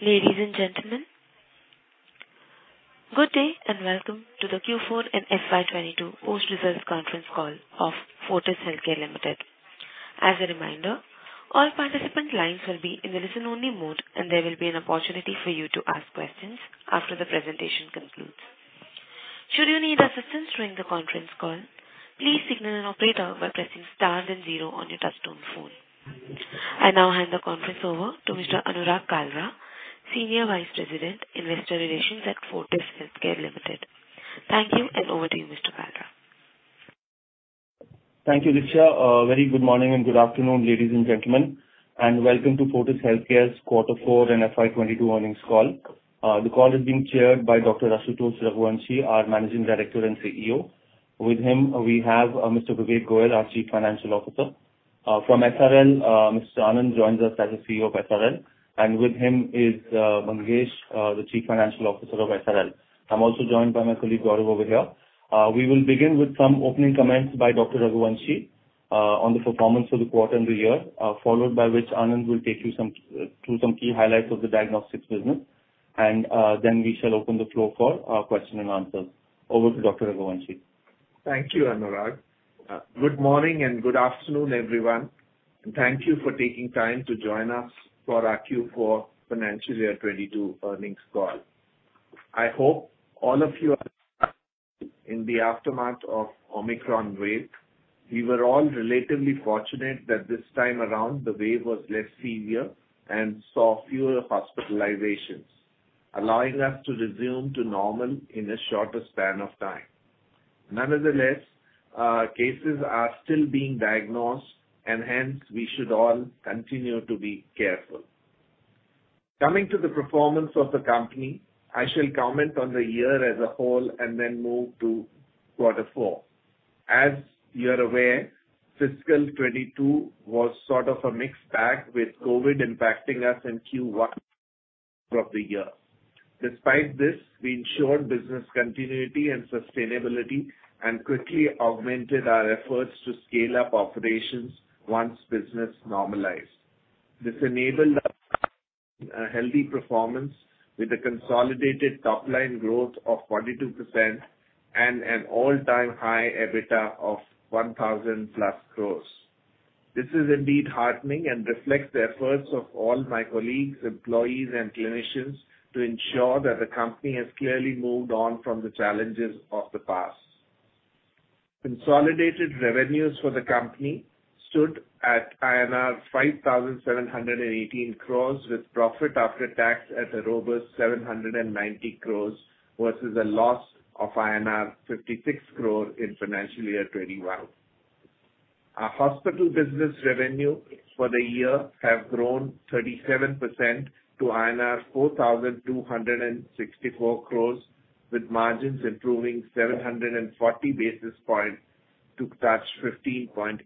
Ladies and gentlemen, good day and welcome to the Q4 and FY 2022 Post-Results Conference Call of Fortis Healthcare Limited. As a reminder, all participant lines will be in the listen-only mode, and there will be an opportunity for you to ask questions after the presentation concludes. Should you need assistance during the conference call, please signal an operator by pressing star then zero on your touchtone phone. I now hand the conference over to Mr. Anurag Kalra, Senior Vice President, Investor Relations at Fortis Healthcare Limited. Thank you, and over to you, Mr. Kalra. Thank you, Richa. Very good morning and good afternoon, ladies and gentlemen, and welcome to Fortis Healthcare's quarter four and FY 2022 earnings call. The call is being chaired by Dr. Ashutosh Raghuvanshi, our Managing Director and CEO. With him, we have Mr. Vivek Goyal, our Chief Financial Officer. From SRL, Mr. Anand K joins us as the CEO of SRL, and with him is Mangesh, the Chief Financial Officer of SRL. I'm also joined by my colleague, Gaurav, over here. We will begin with some opening comments by Dr. Raghuvanshi on the performance of the quarter and the year, followed by which Anand K will take you through some key highlights of the diagnostics business and then we shall open the floor for question and answers. Over to Dr. Raghuvanshi. Thank you, Anurag. Good morning and good afternoon, everyone. Thank you for taking time to join us for our Q4 financial year 2022 earnings call. I hope all of you are in the aftermath of Omicron wave. We were all relatively fortunate that this time around the wave was less severe and saw fewer hospitalizations, allowing us to resume to normal in a shorter span of time. Nonetheless, cases are still being diagnosed, and hence, we should all continue to be careful. Coming to the performance of the company, I shall comment on the year as a whole and then move to quarter four. As you're aware, fiscal 2022 was sort of a mixed bag, with COVID impacting us in Q1 of the year. Despite this, we ensured business continuity and sustainability and quickly augmented our efforts to scale up operations once business normalized. This enabled us a healthy performance with a consolidated top-line growth of 42% and an all-time high EBITDA of 1,000+ crores. This is indeed heartening and reflects the efforts of all my colleagues, employees, and clinicians to ensure that the company has clearly moved on from the challenges of the past. Consolidated revenues for the company stood at INR 5,718 crores, with profit after tax at a robust 790 crores versus a loss of INR 56 crore in financial year 2021. Our hospital business revenue for the year have grown 37% to INR 4,264 crores, with margins improving 740 basis points to touch 15.8%.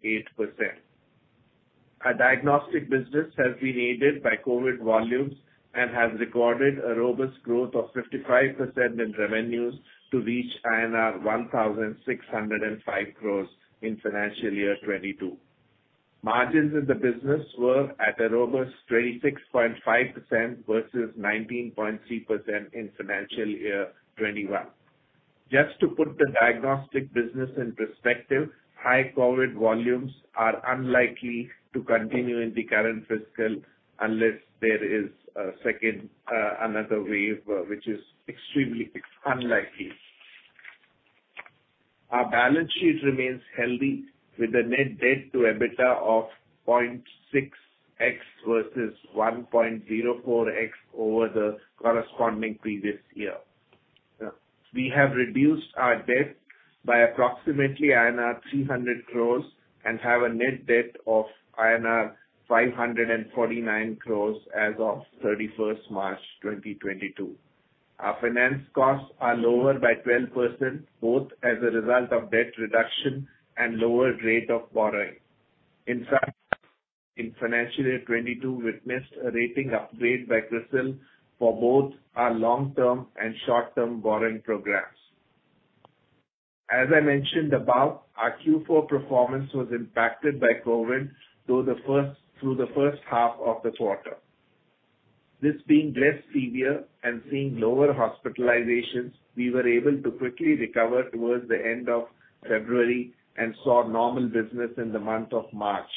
Our diagnostic business has been aided by COVID volumes and has recorded a robust growth of 55% in revenues to reach INR 1,605 crores in financial year 2022. Margins in the business were at a robust 26.5% versus 19.3% in financial year 2021. Just to put the diagnostic business in perspective, high COVID volumes are unlikely to continue in the current fiscal unless there is a second, another wave, which is extremely unlikely. Our balance sheet remains healthy with a net debt to EBITDA of 0.6x versus 1.04x over the corresponding previous year. We have reduced our debt by approximately INR 300 crores and have a net debt of INR 549 crores as of 31st March 2022. Our finance costs are lower by 12%, both as a result of debt reduction and lower rate of borrowing. In fact, in financial year 2022, we've missed a rating upgrade by CRISIL for both our long-term and short-term borrowing programs. As I mentioned above, our Q4 performance was impacted by COVID through the first half of the quarter. This being less severe and seeing lower hospitalizations, we were able to quickly recover towards the end of February and saw normal business in the month of March.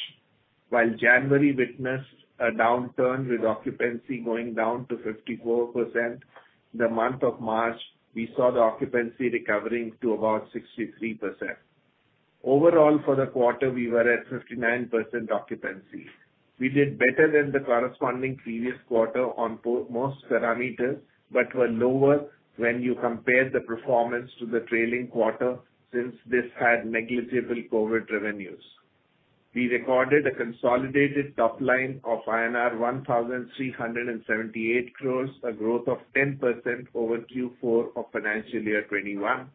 While January witnessed a downturn with occupancy going down to 54%, the month of March we saw the occupancy recovering to about 63%. Overall, for the quarter, we were at 59% occupancy. We did better than the corresponding previous quarter on most parameters, but were lower when you compare the performance to the trailing quarter since this had negligible COVID revenues. We recorded a consolidated top line of INR 1,378 crores, a growth of 10% over Q4 of financial year 2021.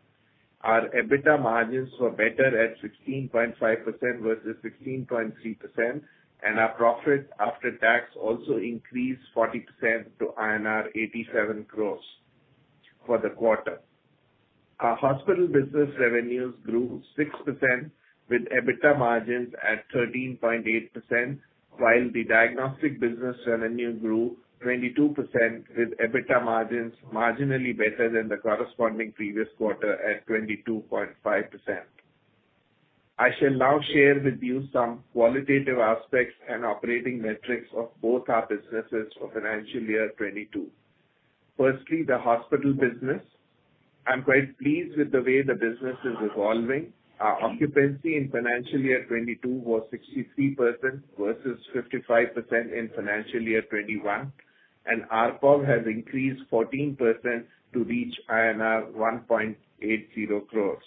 Our EBITDA margins were better at 16.5% versus 16.3%, and our profit after tax also increased 40% to INR 87 crores for the quarter. Our hospital business revenues grew 6% with EBITDA margins at 13.8%, while the diagnostic business revenue grew 22% with EBITDA margins marginally better than the corresponding previous quarter at 22.5%. I shall now share with you some qualitative aspects and operating metrics of both our businesses for financial year 2022. Firstly, the hospital business. I'm quite pleased with the way the business is evolving. Our occupancy in financial year 2022 was 63% versus 55% in financial year 2021. ARPO has increased 14% to reach INR 1.80 crores.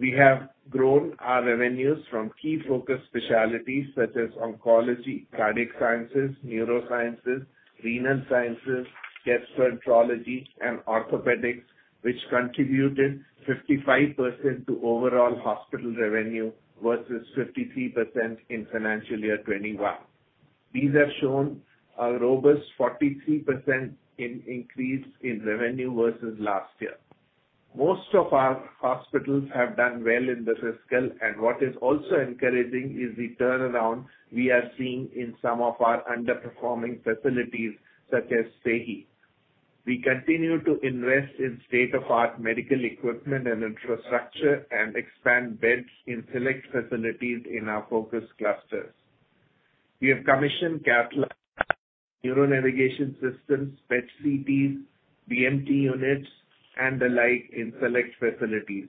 We have grown our revenues from key focus specialties such as oncology, cardiac sciences, neurosciences, renal sciences, gastroenterology, and orthopedics, which contributed 55% to overall hospital revenue versus 53% in financial year 2021. These have shown a robust 43% increase in revenue versus last year. Most of our hospitals have done well in the fiscal. What is also encouraging is the turnaround we are seeing in some of our underperforming facilities such as FEHI. We continue to invest in state-of-the-art medical equipment and infrastructure, and expand beds in select facilities in our focus clusters. We have commissioned cath lab, neuro navigation systems, PET-CTs, BMT units, and the like in select facilities.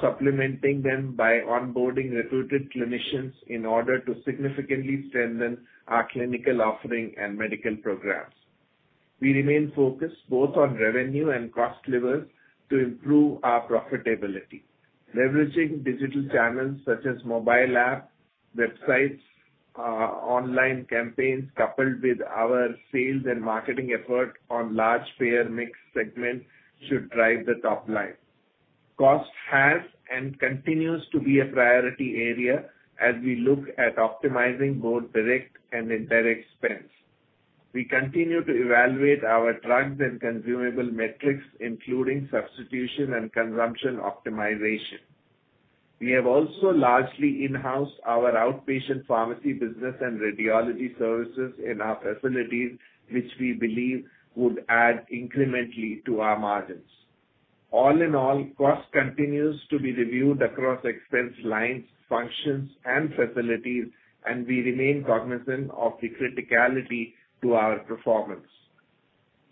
Supplementing them by onboarding recruited clinicians in order to significantly strengthen our clinical offering and medical programs. We remain focused both on revenue and cost levers to improve our profitability. Leveraging digital channels such as mobile app, websites, online campaigns, coupled with our sales and marketing effort on large payer mix segments should drive the top line. Cost has and continues to be a priority area as we look at optimizing both direct and indirect spends. We continue to evaluate our drugs and consumable metrics, including substitution and consumption optimization. We have also largely in-housed our outpatient pharmacy business and radiology services in our facilities, which we believe would add incrementally to our margins. All in all, cost continues to be reviewed across expense lines, functions, and facilities, and we remain cognizant of the criticality to our performance.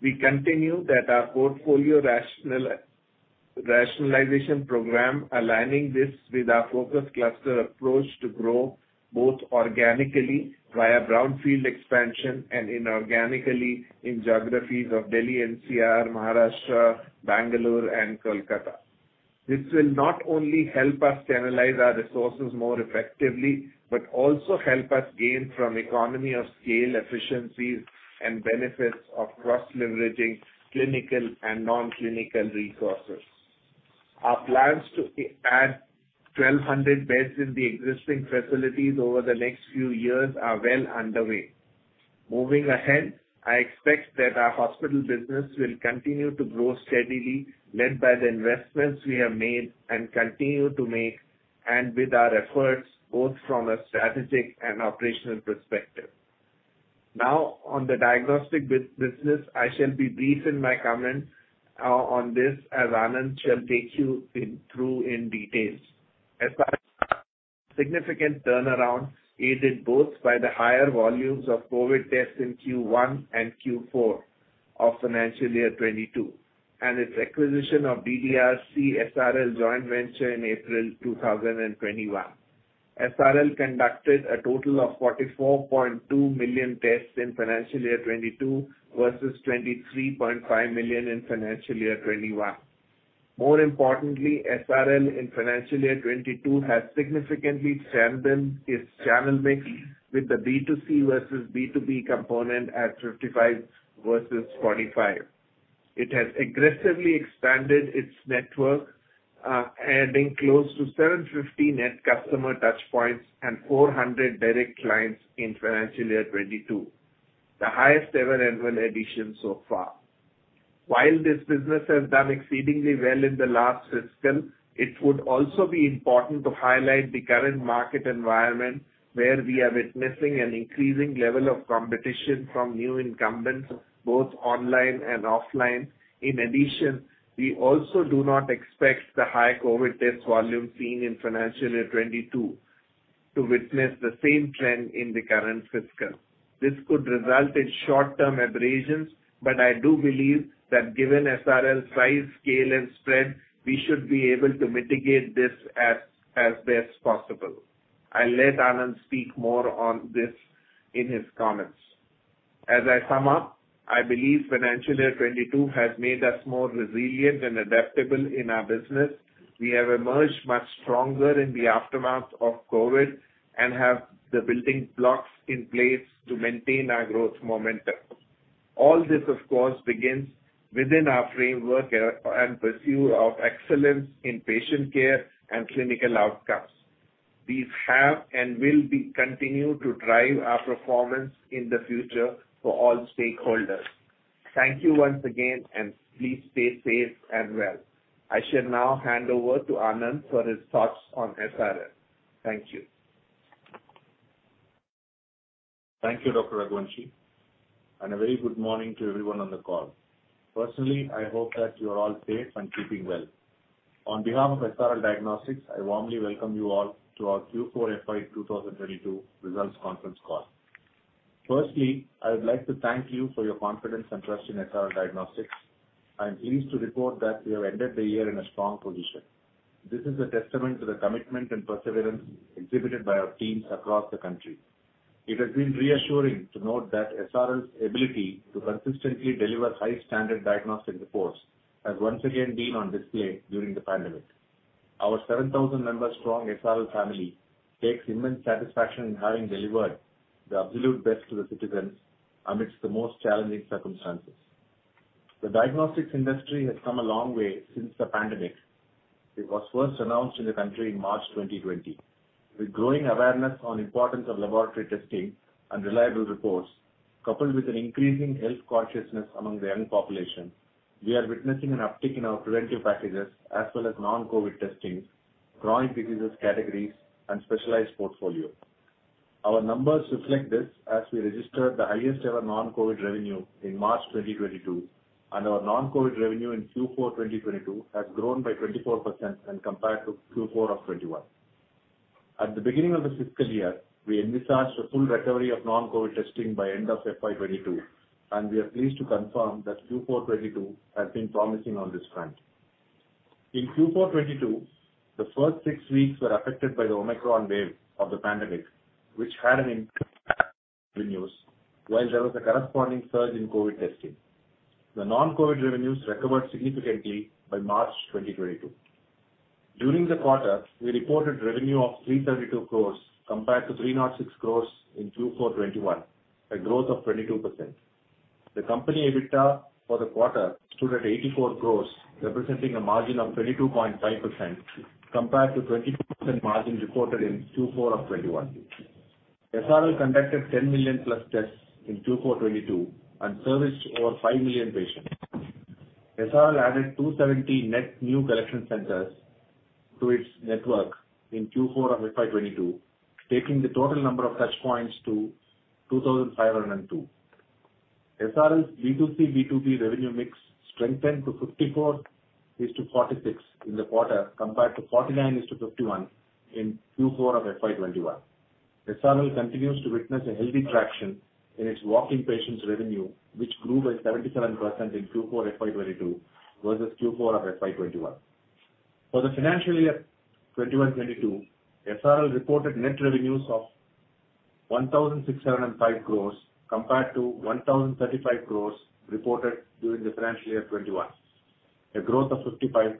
We continue that our portfolio rationalization program, aligning this with our focus cluster approach to grow both organically via brownfield expansion and inorganically in geographies of Delhi NCR, Maharashtra, Bangalore, and Kolkata. This will not only help us channelize our resources more effectively, but also help us gain from economies of scale efficiencies and benefits of cross-leveraging clinical and non-clinical resources. Our plans to add 1,200 beds in the existing facilities over the next few years are well underway. Moving ahead, I expect that our hospital business will continue to grow steadily, led by the investments we have made and continue to make, and with our efforts both from a strategic and operational perspective. Now on the diagnostic business, I shall be brief in my comments on this, as Anand shall take you through it in detail. SRL saw significant turnaround, aided both by the higher volumes of COVID tests in Q1 and Q4 of financial year 2022, and its acquisition of DDRC SRL joint venture in April 2021. SRL conducted a total of 44.2 million tests in financial year 2022 versus 23.5 million in financial year 2021. More importantly, SRL in financial year 2022 has significantly strengthened its channel mix with the B2C versus B2B component at 55% versus 45%. It has aggressively expanded its network, adding close to 750 net customer touch points and 400 direct clients in financial year 2022, the highest ever annual addition so far. While this business has done exceedingly well in the last fiscal, it would also be important to highlight the current market environment, where we are witnessing an increasing level of competition from new incumbents, both online and offline. In addition, we also do not expect the high COVID test volume seen in financial year 2022 to witness the same trend in the current fiscal. This could result in short-term abrasions, but I do believe that given SRL's size, scale and spread, we should be able to mitigate this as best possible. I'll let Anand speak more on this in his comments. As I sum up, I believe financial year 2022 has made us more resilient and adaptable in our business. We have emerged much stronger in the aftermath of COVID, and have the building blocks in place to maintain our growth momentum. All this, of course, begins within our framework and pursuit of excellence in patient care and clinical outcomes. These have and will continue to drive our performance in the future for all stakeholders. Thank you once again, and please stay safe and well. I shall now hand over to Anand for his thoughts on SRL. Thank you. Thank you, Dr. Raghuvanshi. A very good morning to everyone on the call. Personally, I hope that you are all safe and keeping well. On behalf of SRL Diagnostics, I warmly welcome you all to our Q4 FY 2022 results conference call. Firstly, I would like to thank you for your confidence and trust in SRL Diagnostics. I am pleased to report that we have ended the year in a strong position. This is a testament to the commitment and perseverance exhibited by our teams across the country. It has been reassuring to note that SRL's ability to consistently deliver high standard diagnostic reports has once again been on display during the pandemic. Our 7,000-member strong SRL family takes immense satisfaction in having delivered the absolute best to the citizens amidst the most challenging circumstances. The diagnostics industry has come a long way since the pandemic. It was first announced in the country in March 2020. With growing awareness on importance of laboratory testing and reliable reports, coupled with an increasing health consciousness among the young population, we are witnessing an uptick in our preventive packages as well as non-COVID testings, chronic diseases categories, and specialized portfolio. Our numbers reflect this as we registered the highest ever non-COVID revenue in March 2022, and our non-COVID revenue in Q4 2022 has grown by 24% when compared to Q4 of 2021. At the beginning of the fiscal year, we envisaged a full recovery of non-COVID testing by end of FY 2022, and we are pleased to confirm that Q4 2022 has been promising on this front. In Q4 2022, the first six weeks were affected by the Omicron wave of the pandemic, which had an impact on revenues, while there was a corresponding surge in COVID testing. The non-COVID revenues recovered significantly by March 2022. During the quarter, we reported revenue of 332 crores compared to 306 crores in Q4 2021, a growth of 22%. The company EBITDA for the quarter stood at 84 crores, representing a margin of 22.5% compared to 22% margin reported in Q4 of 2021. SRL conducted 10 million+ tests in Q4 2022 and serviced over five million patients. SRL added 270 net new collection centers to its network in Q4 of FY 2022, taking the total number of touch points to 2,502. SRL's B2C, B2B revenue mix strengthened to 54:46 in the quarter compared to 49:51 in Q4 of FY 2021. SRL continues to witness a healthy traction in its walk-in patients revenue, which grew by 77% in Q4 FY 2022 versus Q4 of FY 2021. For the financial year 2021-22, SRL reported net revenues of 1,605 crores compared to 1,035 crores reported during the financial year 2021, a growth of 55%.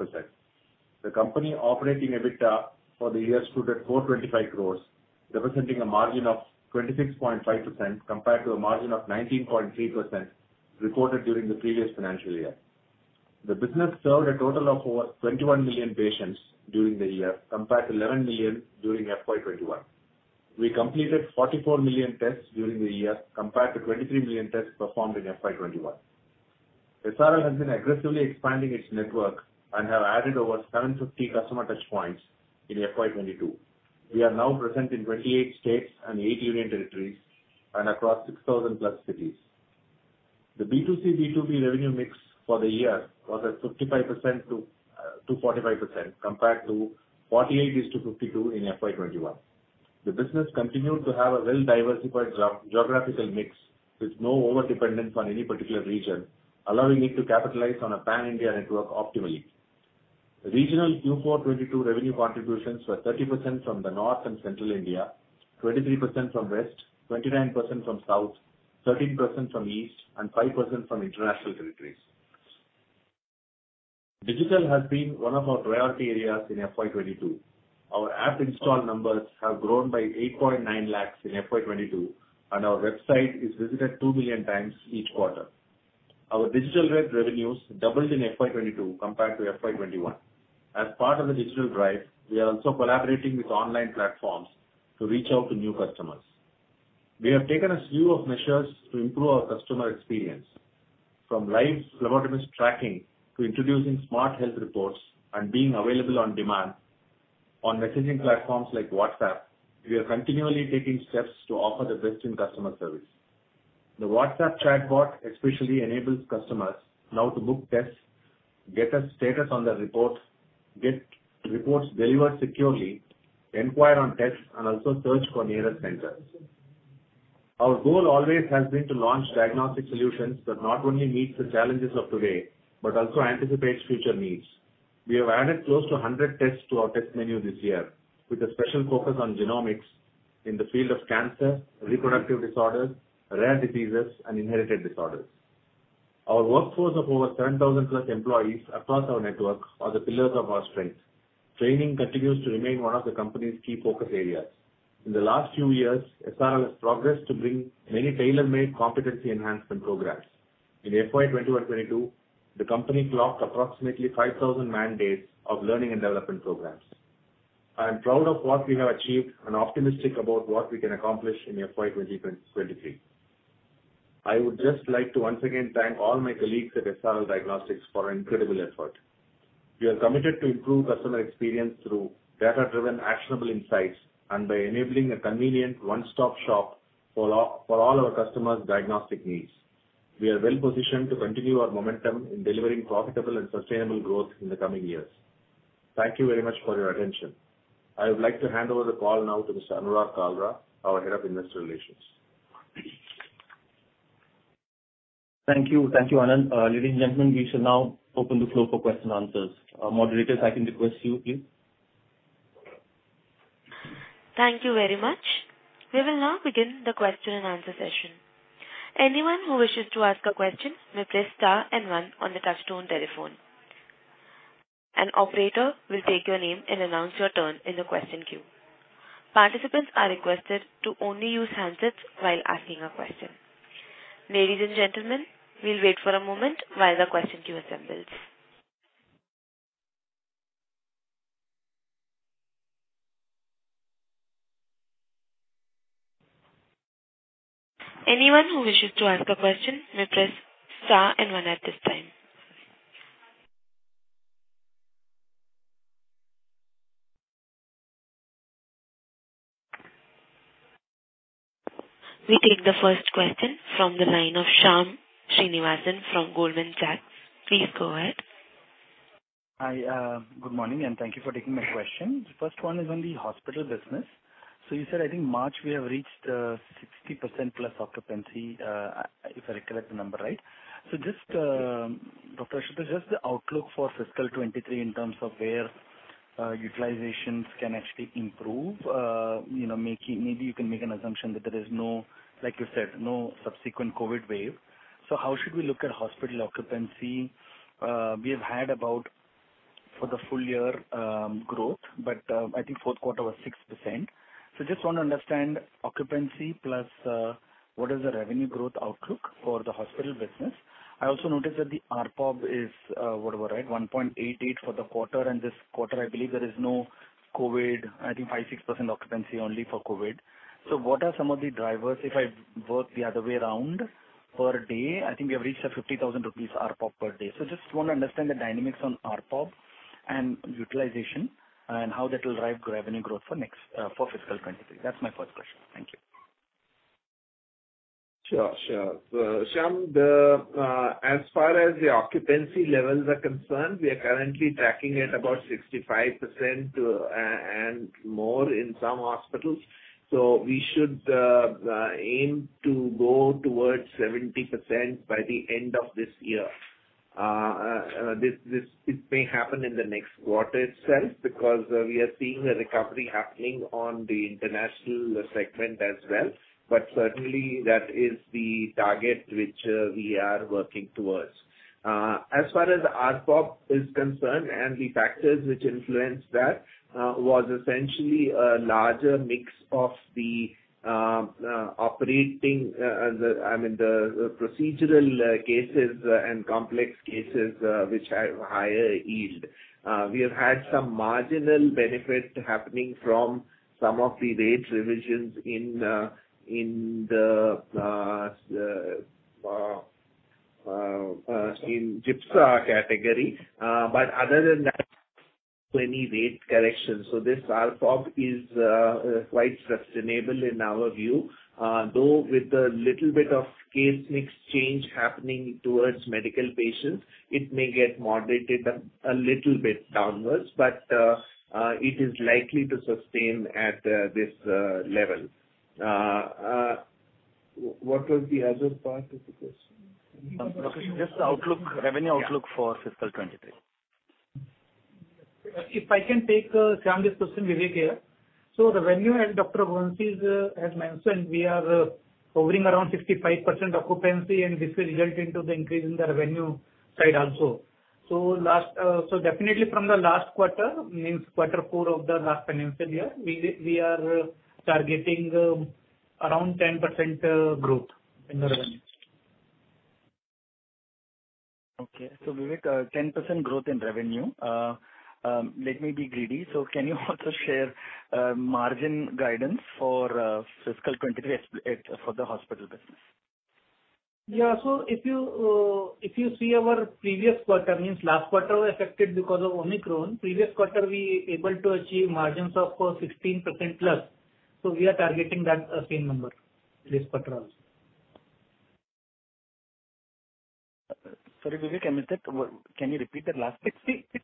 The company operating EBITDA for the year stood at 425 crores, representing a margin of 26.5% compared to a margin of 19.3% recorded during the previous financial year. The business served a total of over 21 million patients during the year, compared to 11 million during FY 2021. We completed 44 million tests during the year, compared to 23 million tests performed in FY 2021. SRL has been aggressively expanding its network and have added over 750 customer touch points in FY 2022. We are now present in 28 states and eight union territories and across 6,000+ cities. The B2C, B2B revenue mix for the year was at 55% to 45% compared to 48% to 52% in FY 2021. The business continued to have a well-diversified geographical mix with no overdependence on any particular region, allowing it to capitalize on a pan-India network optimally. Regional Q4 2022 revenue contributions were 30% from the North and Central India, 23% from West, 29% from South, 13% from East, and 5% from international territories. Digital has been one of our priority areas in FY 2022. Our app install numbers have grown by 8.9 lakhs in FY 2022, and our website is visited 2 million times each quarter. Our digital revenues doubled in FY 2022 compared to FY 2021. As part of the digital drive, we are also collaborating with online platforms to reach out to new customers. We have taken a slew of measures to improve our customer experience. From live specimen tracking to introducing smart health reports and being available on demand on messaging platforms like WhatsApp, we are continually taking steps to offer the best in customer service. The WhatsApp chatbot especially enables customers now to book tests, get a status on their reports, get reports delivered securely, inquire on tests, and also search for nearest centers. Our goal always has been to launch diagnostic solutions that not only meets the challenges of today but also anticipates future needs. We have added close to 100 tests to our test menu this year, with a special focus on genomics in the field of cancer, reproductive disorders, rare diseases, and inherited disorders. Our workforce of over 10,000 plus employees across our network are the pillars of our strength. Training continues to remain one of the company's key focus areas. In the last few years, SRL has progressed to bring many tailor-made competency enhancement programs. In FY 2021-22, the company clocked approximately 5,000 man days of learning and development programs. I am proud of what we have achieved and optimistic about what we can accomplish in FY 2023. I would just like to once again thank all my colleagues at SRL Diagnostics for incredible effort. We are committed to improve customer experience through data-driven actionable insights and by enabling a convenient one-stop shop for all our customers' diagnostic needs. We are well positioned to continue our momentum in delivering profitable and sustainable growth in the coming years. Thank you very much for your attention. I would like to hand over the call now to Mr. Anurag Kalra, our Head of Investor Relations. Thank you. Thank you, Anand. Ladies and gentlemen, we shall now open the floor for question answers. Our moderators, I can request you, please. Thank you very much. We will now begin the question and answer session. Anyone who wishes to ask a question may press star and one on the touchtone telephone. An operator will take your name and announce your turn in the question queue. Participants are requested to only use handsets while asking a question. Ladies and gentlemen, we'll wait for a moment while the question queue assembles. Anyone who wishes to ask a question may press star and one at this time. We take the first question from the line of Shyam Srinivasan from Goldman Sachs. Please go ahead. Hi. Good morning, and thank you for taking my question. The first one is on the hospital business. You said I think March we have reached 60%+ occupancy, if I recollect the number right. Just Dr. Ashutosh, just the outlook for fiscal 2023 in terms of where utilizations can actually improve. You know, maybe you can make an assumption that there is no, like you said, no subsequent COVID wave. How should we look at hospital occupancy? We have had about 4% growth for the full year, but I think fourth quarter was 6%. Just wanna understand occupancy plus what is the revenue growth outlook for the hospital business. I also noticed that the ARPOB is whatever, right, 1.88 for the quarter. This quarter, I believe there is no COVID. I think 5%-6% occupancy only for COVID. What are some of the drivers if I work the other way around per day? I think we have reached 50,000 rupees ARPOB per day. Just wanna understand the dynamics on ARPOB and utilization and how that will drive revenue growth for next, for fiscal 2023. That's my first question. Thank you. Sure. Shyam, as far as the occupancy levels are concerned, we are currently tracking at about 65%, and more in some hospitals. We should aim to go towards 70% by the end of this year. This may happen in the next quarter itself because we are seeing a recovery happening on the international segment as well. Certainly that is the target which we are working towards. As far as ARPOB is concerned and the factors which influenced that was essentially a larger mix of the procedural cases and complex cases which have higher yield. We have had some marginal benefit happening from some of the rate revisions in the GIPSA category. Other than that, plenty rate corrections. This ARPOB is quite sustainable in our view. Though with a little bit of case mix change happening towards medical patients, it may get moderated a little bit downwards, but it is likely to sustain at this level. What was the other part of the question? Just the outlook, revenue outlook for fiscal 2023. If I can take Shyam's question, Vivek here. The revenue, as Dr. Raghuvanshi has mentioned, we are covering around 65% occupancy, and this will result in the increase in the revenue side also. Definitely from the last quarter, means quarter four of the last financial year, we are targeting around 10% growth in the revenue. Okay. Vivek, 10% growth in revenue. Let me be greedy. Can you also share margin guidance for fiscal 2023 ex for the hospital business? If you see our previous quarter means last quarter was affected because of Omicron. Previous quarter we able to achieve margins of 16%+. We are targeting that same number this quarter also. Sorry, Vivek. I missed that. Can you repeat that last bit? 16%,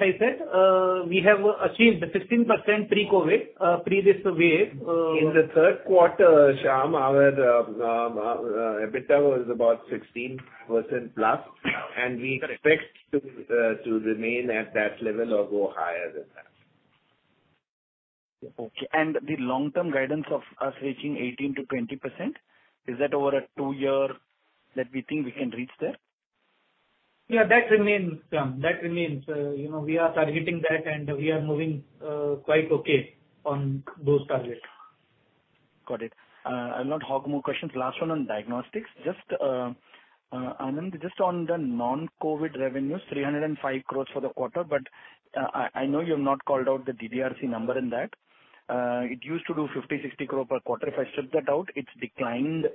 I said. We have achieved 16% pre-COVID, previous wave. In the third quarter, Shyam, our EBITDA was about 16% plus. Correct. We expect to remain at that level or go higher than that. Okay. The long-term guidance of us reaching 18%-20%, is that over a two-year that we think we can reach there? Yeah, that remains. You know, we are targeting that, and we are moving quite okay on those targets. Got it. I'll not hog more questions. Last one on diagnostics. Just, Anand, just on the non-COVID revenues, 305 crores for the quarter, but, I know you've not called out the DDRC number in that. It used to do 50-60 crore per quarter. If I strip that out, it's declined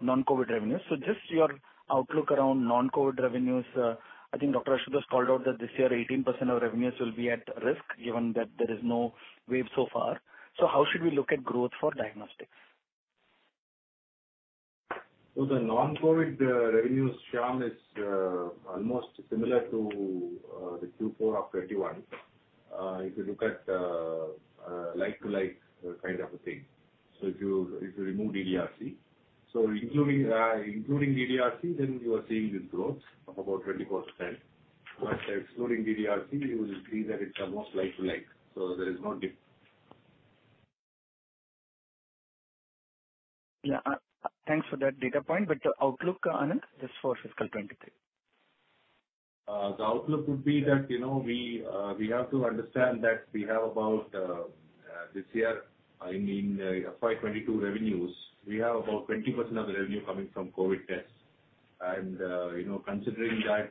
non-COVID revenues. Just your outlook around non-COVID revenues. I think Dr. Ashutosh called out that this year 18% of revenues will be at risk given that there is no wave so far. How should we look at growth for diagnostics? The non-COVID revenues, Shyam, is almost similar to the Q4 of 2021. If you look at like-for-like kind of a thing, so if you remove DDRC. Including DDRC, then you are seeing this growth of about 24%. Excluding DDRC, you will see that it's almost like-for-like, so there is no dip. Yeah. Thanks for that data point. Outlook, Anand, just for fiscal 2023? The outlook would be that, you know, we have to understand that we have about this year, I mean, FY 2022 revenues, we have about 20% of the revenue coming from COVID tests. You know, considering that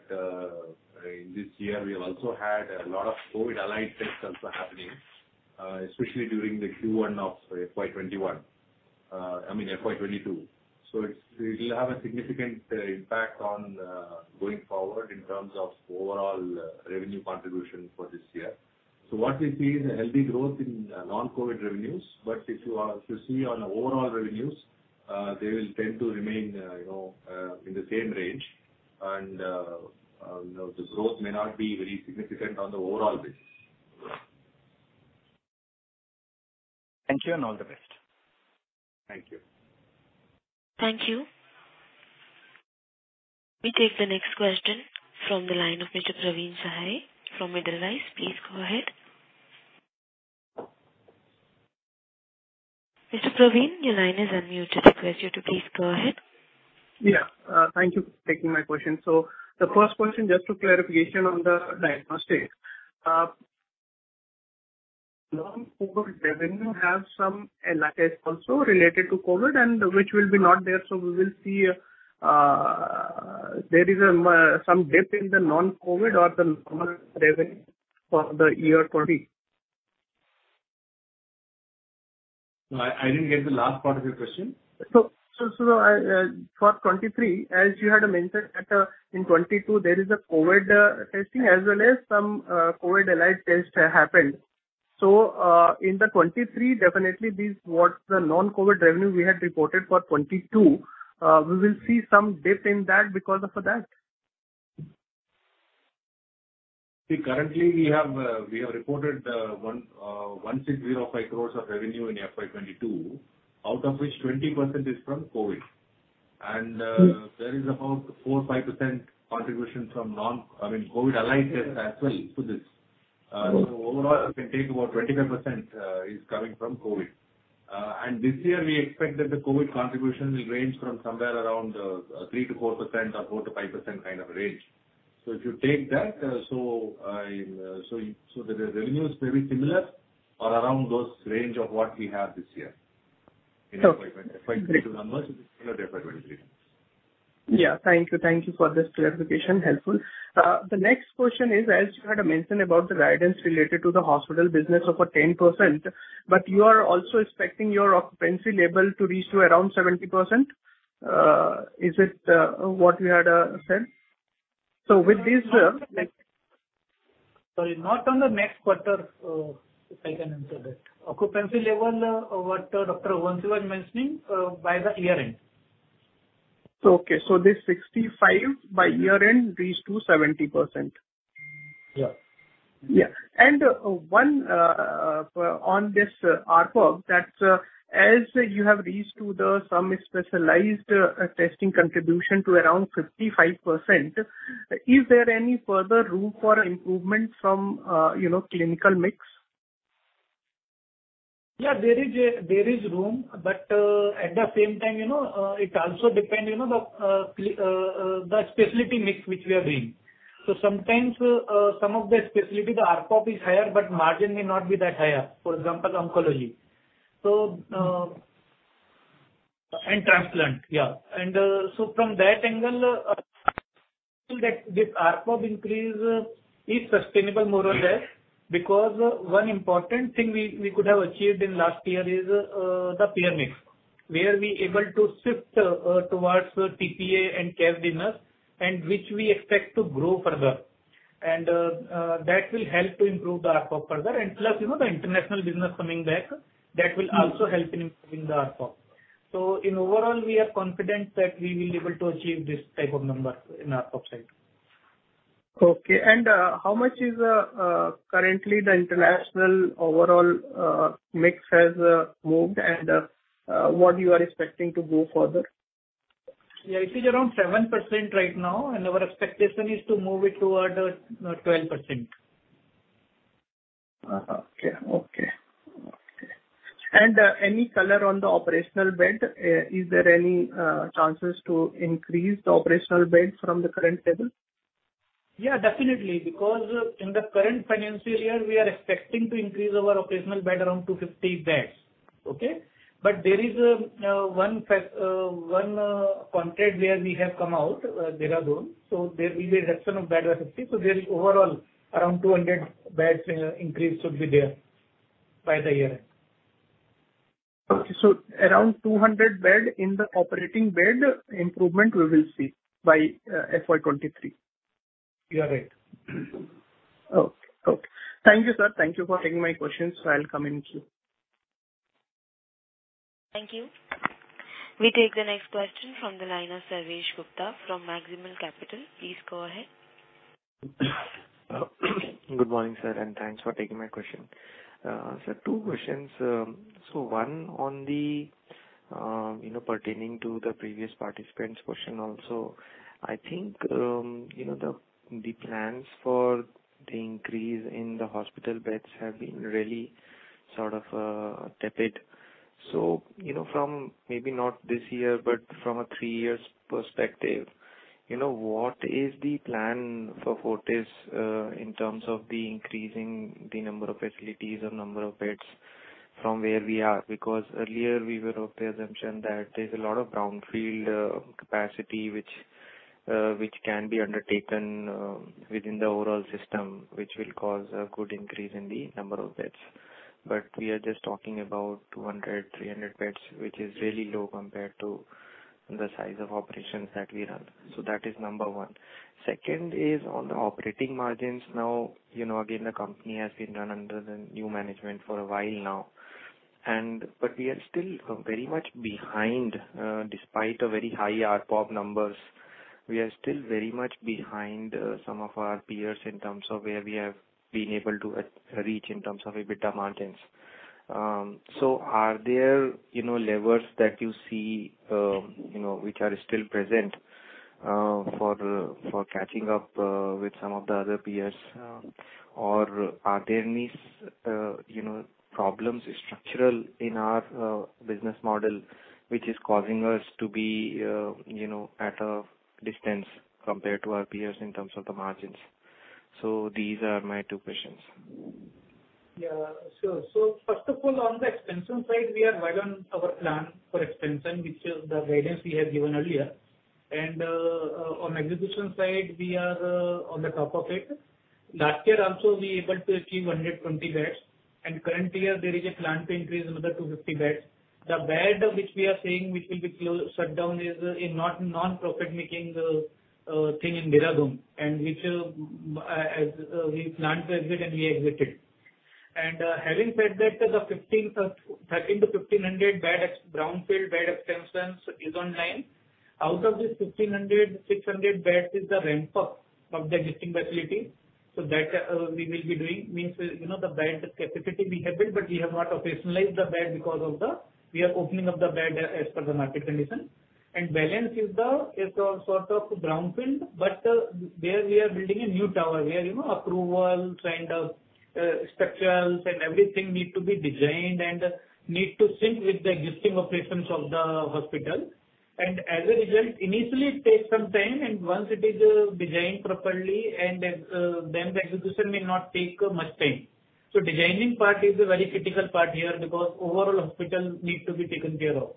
this year we have also had a lot of COVID-aligned tests also happening, especially during the Q1 of FY 2021, I mean FY 2022. It will have a significant impact going forward in terms of overall revenue contribution for this year. What we see is a healthy growth in non-COVID revenues. If you are to see on overall revenues, they will tend to remain, you know, in the same range and, you know, the growth may not be very significant on the overall basis. Thank you, and all the best. Thank you. Thank you. We take the next question from the line of Mr. Praveen Sahay from Edelweiss. Please go ahead. Mr. Praveen, your line is unmuted. I request you to please go ahead. Yeah. Thank you for taking my question. The first question, just for clarification on the diagnostics. Non-COVID revenue have some and that is also related to COVID and which will be not there. We will see, there is some dip in the non-COVID or the normal revenue for the year 2023? No, I didn't get the last part of your question. For 2023, as you had mentioned that in 2022 there is a COVID testing as well as some COVID-aligned tests happened. In 2023, definitely these, what the non-COVID revenue we had reported for 2022, we will see some dip in that because of that? See, currently we have reported 1,605 crore of revenue in FY 2022, out of which 20% is from COVID. Mm-hmm. There is about 4%-5% contribution from non I mean, COVID-aligned tests as well to this. Okay. Overall you can take about 25% is coming from COVID. This year we expect that the COVID contribution will range from somewhere around 3%-4% or 4%-5% kind of range. If you take that, the revenues may be similar or around those range of what we have this year. Okay. Great. In FY 2022 numbers similar to FY 2023. Yeah. Thank you. Thank you for this clarification. Helpful. The next question is, as you had mentioned about the guidance related to the hospital business of a 10%, but you are also expecting your occupancy level to reach to around 70%. Is it, what you had said? With this, like Sorry, not on the next quarter, if I can answer that. Occupancy level, what Dr. Raghuvanshi was mentioning, by the year end. Okay. This 65% by year end reach to 70%. Yeah. One on this ARPOB that as you have reached to some specialized testing contribution to around 55%, is there any further room for improvement from, you know, clinical mix? Yeah, there is room, but at the same time, you know, it also depend, you know, the specialty mix which we are bringing. Sometimes, some of the specialty the ARPOB is higher, but margin may not be that higher. For example, oncology and transplant, yeah. From that angle, I feel that this ARPOB increase is sustainable more or less because one important thing we could have achieved in last year is the payer mix, where we able to shift towards TPA and capped business, and which we expect to grow further. That will help to improve the ARPOB further. Plus, you know, the international business coming back, that will also help in improving the ARPOB. Overall, we are confident that we will be able to achieve this type of number on the ARPOB side. Okay. How much is currently the international overall mix, what are you expecting to go further? Yeah, it is around 7% right now, and our expectation is to move it toward 12%. Okay. Any color on the operational bed? Is there any chances to increase the operational bed from the current level? Yeah, definitely. Because in the current financial year, we are expecting to increase our operational bed around 250 beds. Okay? There is one contract where we have come out, Dehradun, so there will be a reduction of bed by 50. There is overall around 200 beds increase should be there by the year end. Around 200 beds in the operating bed improvement we will see by FY 2023. You are right. Okay, okay. Thank you, sir. Thank you for taking my questions. I'll come in queue. Thank you. We take the next question from the line of Sarvesh Gupta from Maximal Capital. Please go ahead. Good morning, sir, and thanks for taking my question. Sir, two questions. One on the, you know, pertaining to the previous participant's question also. I think, you know, the plans for the increase in the hospital beds have been really sort of tepid. From maybe not this year, but from a three years perspective, you know, what is the plan for Fortis in terms of increasing the number of facilities or number of beds from where we are? Because earlier we were of the assumption that there's a lot of brownfield capacity which can be undertaken within the overall system, which will cause a good increase in the number of beds. We are just talking about 200, 300 beds, which is really low compared to the size of operations that we run. That is number one. Second is on the operating margins. Now, you know, again, the company has been run under the new management for a while now, we are still very much behind, despite a very high ARPOB numbers. We are still very much behind some of our peers in terms of where we have been able to reach in terms of EBITDA margins. Are there, you know, levers that you see, you know, which are still present for catching up with some of the other peers? Are there any, you know, problems structural in our business model which is causing us to be, you know, at a distance compared to our peers in terms of the margins? These are my two questions. First of all, on the expansion side, we are right on our plan for expansion, which is the guidance we have given earlier. On execution side we are on the top of it. Last year also we able to achieve 120 beds and current year there is a plan to increase another 250 beds. The bed which we are saying which will be shut down is a nonprofit making thing in Dehradun and which, as we planned to exit and we exited. Having said that, the 1,300-1,500 beds, brownfield bed expansion is online. Out of this 1,500, 600 beds is the ramp up of the existing facility. That we will be doing means, you know, the bed capacity we have built, but we have not operationalized the bed because we are opening up the bed as per the market condition. Balance is a sort of brownfield, but there we are building a new tower where, you know, approval kind of structurals and everything need to be designed and need to sync with the existing operations of the hospital. As a result, initially it takes some time and once it is designed properly and then the execution may not take much time. Designing part is a very critical part here because overall hospital need to be taken care of.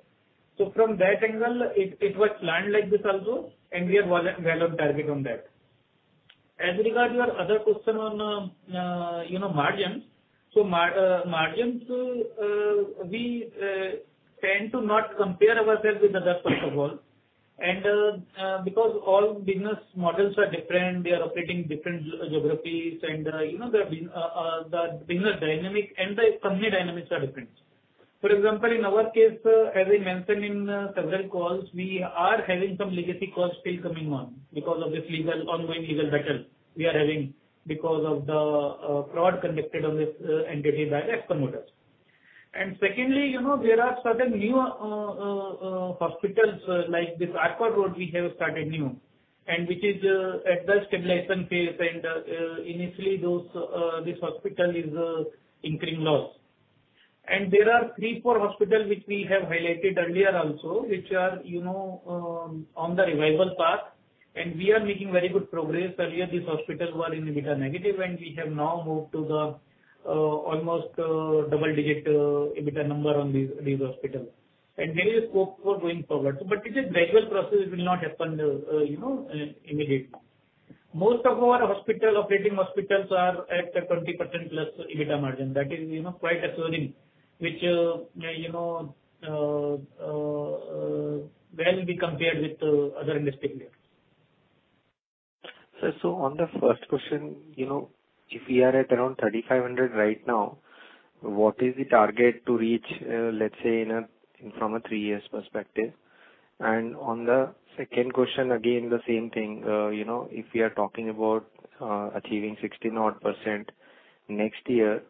From that angle it was planned like this also and we are well on target on that. As regards your other question on, you know, margins. Margins, we tend to not compare ourselves with others first of all and, because all business models are different, they are operating different geographies and, you know, the business dynamic and the company dynamics are different. For example, in our case, as I mentioned in several calls, we are having some legacy costs still coming on because of this ongoing legal battle we are having because of the fraud conducted on this entity by ex-promoters. Secondly, you know, there are certain new hospitals, like this Arcot Road we have started new and which is at the stabilization phase. Initially, this hospital is incurring loss. There are three or four hospitals which we have highlighted earlier also, which are, you know, on the revival path and we are making very good progress. Earlier these hospitals were in EBITDA-negative and we have now moved to the almost double-digit EBITDA number on these hospitals. There is a scope for going forward, but it is a gradual process. It will not happen immediate. Most of our hospitals, operating hospitals are at a 20%+ EBITDA margin. That is, you know, quite assuring, which you know will be compared with other industry players. Sir, on the first question, you know, if we are at around 3,500 right now, what is the target to reach, let's say from a three-year perspective? On the second question, again the same thing. You know, if we are talking about achieving 60-odd% next year,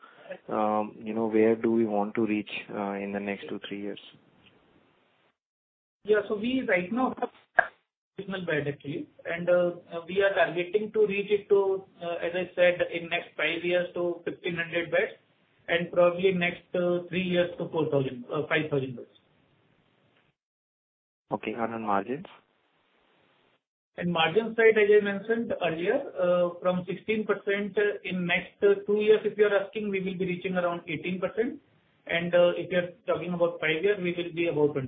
where do we want to reach in the next two, three years? We right now actually, and we are targeting to reach it to, as I said, in next five years to 1,500 beds, and probably next three years to 4,000-5,000 beds. Okay. On margins? Margin side, as I mentioned earlier, from 16%, in next two years, if you're asking, we will be reaching around 18%. If you're talking about five years, we will be above 20%.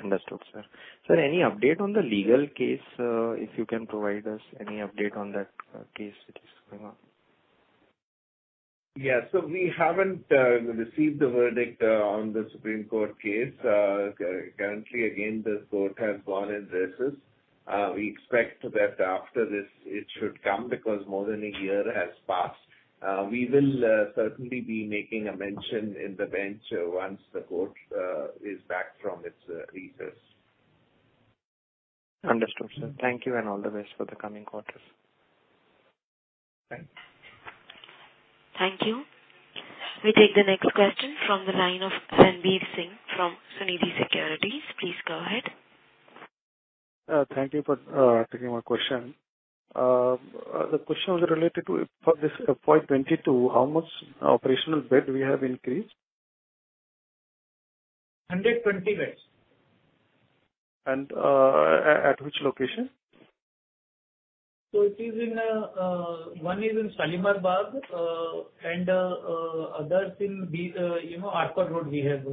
Understood, sir. Sir, any update on the legal case? If you can provide us any update on that case which is going on? Yeah, we haven't received the verdict on the Supreme Court case. Currently, again, the court has gone into recess. We expect that after this it should come because more than a year has passed. We will certainly be making a mention before the bench once the court is back from its recess. Understood, sir. Thank you, and all the best for the coming quarters. Thanks. Thank you. We take the next question from the line of Sandip Singh from Sunidhi Securities. Please go ahead. Thank you for taking my question. The question was related to for this FY 2022, how much operational bed we have increased? 120 beds. At which location? One is in Shalimar Bagh, and other is in B, you know, Arcot Road we have.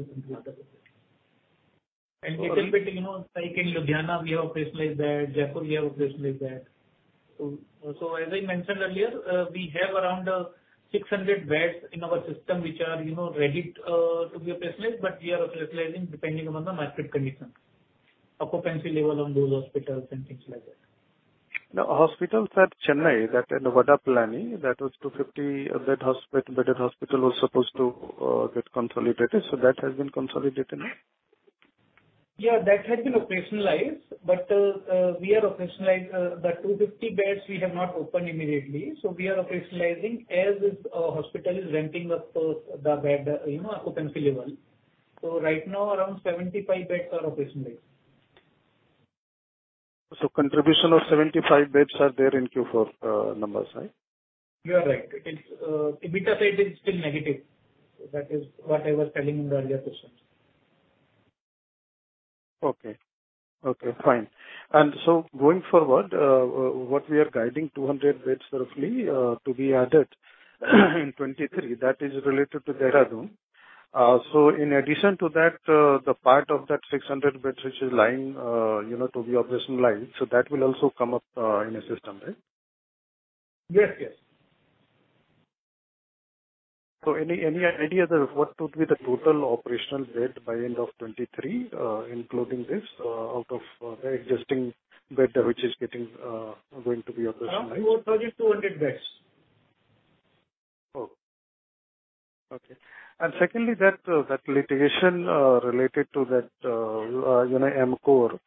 Little bit, you know, like in Ludhiana we have operationalized bed, Jaipur we have operationalized bed. As I mentioned earlier, we have around 600 beds in our system which are, you know, ready to be operationalized, but we are operationalizing depending upon the market condition, occupancy level on those hospitals and things like that. Now, hospitals at Chennai that in Vadapalani, that was 250-bedded hospital was supposed to get consolidated, so that has been consolidated, no? That has been operationalized. We have operationalized the 250 beds we have not opened immediately. We are operationalizing as this hospital is ramping up the bed you know occupancy level. Right now around 75 beds are operationalized. Contribution of 75 beds are there in Q4 numbers, right? You are right. It is, EBITDA side is still negative. That is what I was telling in the earlier questions. Okay, fine. Going forward, what we are guiding 200 beds roughly to be added in 2023, that is related to Dehradun. In addition to that, the part of that 600 beds which is in line, you know, to be operationalized, that will also come up in the system, right? Yes. Yes. Any idea what would be the total operational bed by end of 2023, including this out of existing bed which is going to be operationalized? Around 200 beds. Oh, okay. Secondly, that litigation related to that, you know, Emqore.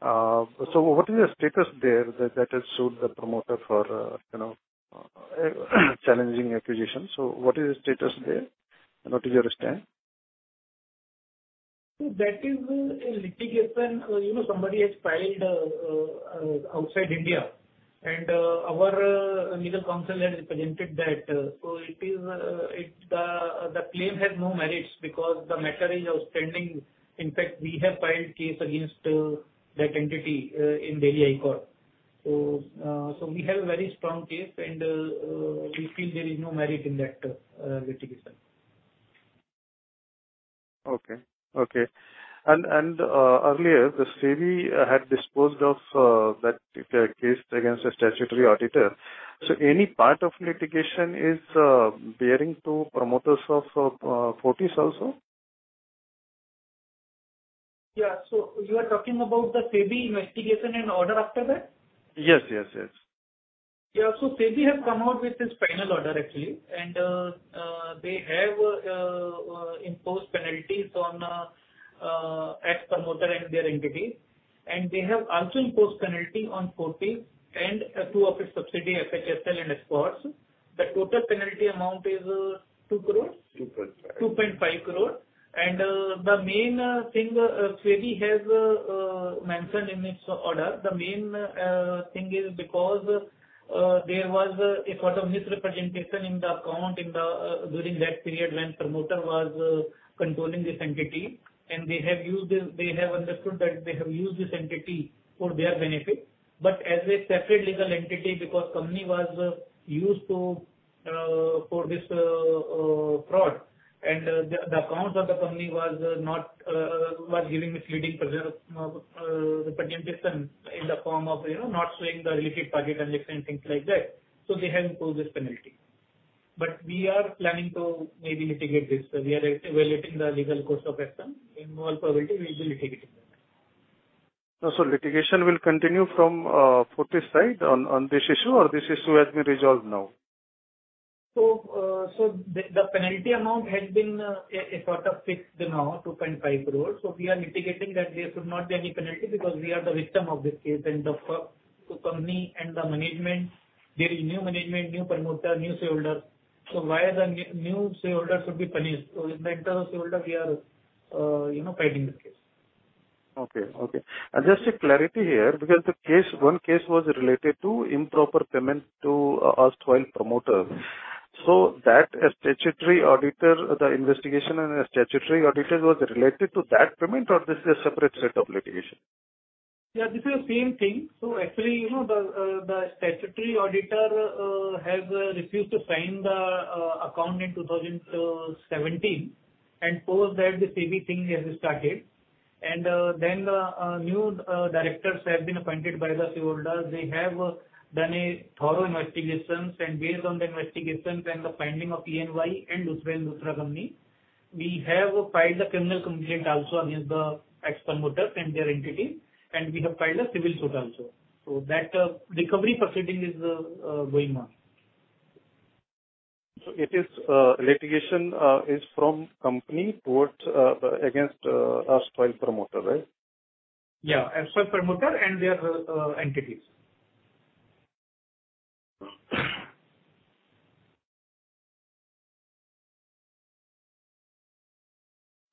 What is the status there that has sued the promoter for, you know, challenging acquisition. What is your status there? What is your stand? That is a litigation, you know, somebody has filed outside India. Our legal counsel has represented that. It is the claim has no merits because the matter is outstanding. In fact, we have filed case against that entity in Delhi High Court. We have a very strong case and we feel there is no merit in that litigation. Okay, earlier, the SEBI had disposed of that case against the statutory auditor. Any part of litigation is pertaining to promoters of Fortis also? Yeah. You are talking about the SEBI investigation and order after that? Yes. Yes. Yes. SEBI has come out with this final order actually, and they have imposed penalties on ex-promoters and their entity, and they have also imposed penalty on Fortis and two of its subsidiary, FHsL and Escorts. The total penalty amount is 2 crore. 2.5. 2.5 crore. The main thing SEBI has mentioned in its order, the main thing is because there was a sort of misrepresentation in the account in the during that period when promoter was controlling this entity. They have used this. They have understood that they have used this entity for their benefit, but as a separate legal entity because company was used for this fraud. The accounts of the company was giving misleading representation in the form of, you know, not showing the related party transactions, things like that. They have imposed this penalty. We are planning to maybe litigate this. We are evaluating the legal course of action. In all probability we will be litigating that. Litigation will continue from Fortis' side on this issue, or this issue has been resolved now? The penalty amount has been a sort of fixed now, 2.5 crores. We are litigating that there should not be any penalty because we are the victim of this case and the company and the management, there is new management, new promoter, new shareholder. Why the new shareholder should be punished? In the interest of shareholder we are, you know, fighting the case. Okay, okay. Just a clarity here, because the case, one case was related to improper payment to erstwhile promoter. That statutory auditor, the investigation and the statutory auditor was related to that payment or this is a separate set of litigation? Yeah, this is the same thing. Actually, you know, the statutory auditor has refused to sign the accounts in 2017. Post that the same thing has started. The new directors have been appointed by the shareholder. They have done a thorough investigation, and based on the investigation and the findings of EY and S&R Associates company, we have filed a criminal complaint also against the ex-promoter and their entity, and we have filed a civil suit also. That recovery proceeding is going on. Litigation is from company against erstwhile promoter, right? Yeah. Erstwhile promoter and their entities.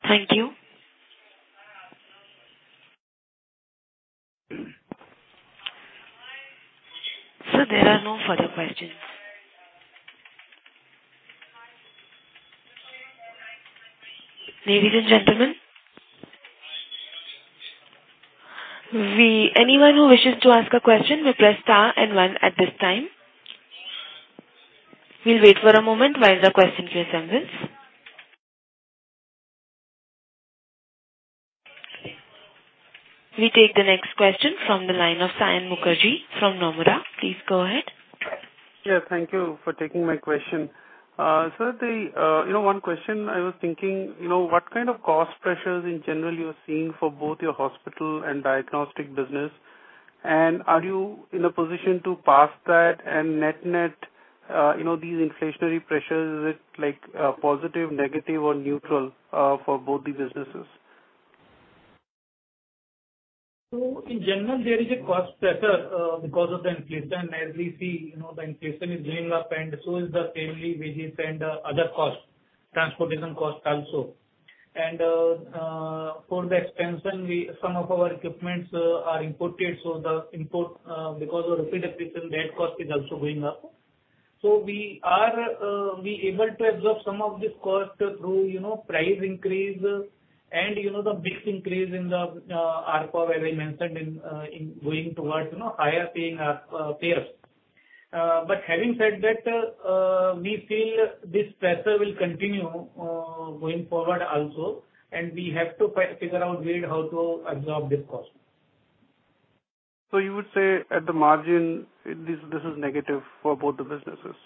Thank you. Sir, there are no further questions. Ladies and gentlemen, anyone who wishes to ask a question will press star and one at this time. We'll wait for a moment while the questions assemble. We take the next question from the line of Saion Mukherjee from Nomura. Please go ahead. Yeah, thank you for taking my question. Sir, you know, one question I was thinking, you know, what kind of cost pressures in general you are seeing for both your hospital and diagnostic business? Are you in a position to pass that and net-net, you know, these inflationary pressures, is it like positive, negative or neutral for both these businesses? In general, there is a cost pressure because of the inflation. As we see, you know, the inflation is going up, and so is the salary wages and other costs, transportation costs also. For the expansion, some of our equipment are imported, so the import because of rupee depreciation, that cost is also going up. We are able to absorb some of this cost through, you know, price increase and, you know, the mix increase in the ARPOB, as I mentioned in going towards, you know, higher paying payers. Having said that, we feel this pressure will continue going forward also, and we have to figure out way how to absorb this cost. You would say at the margin this is negative for both the businesses.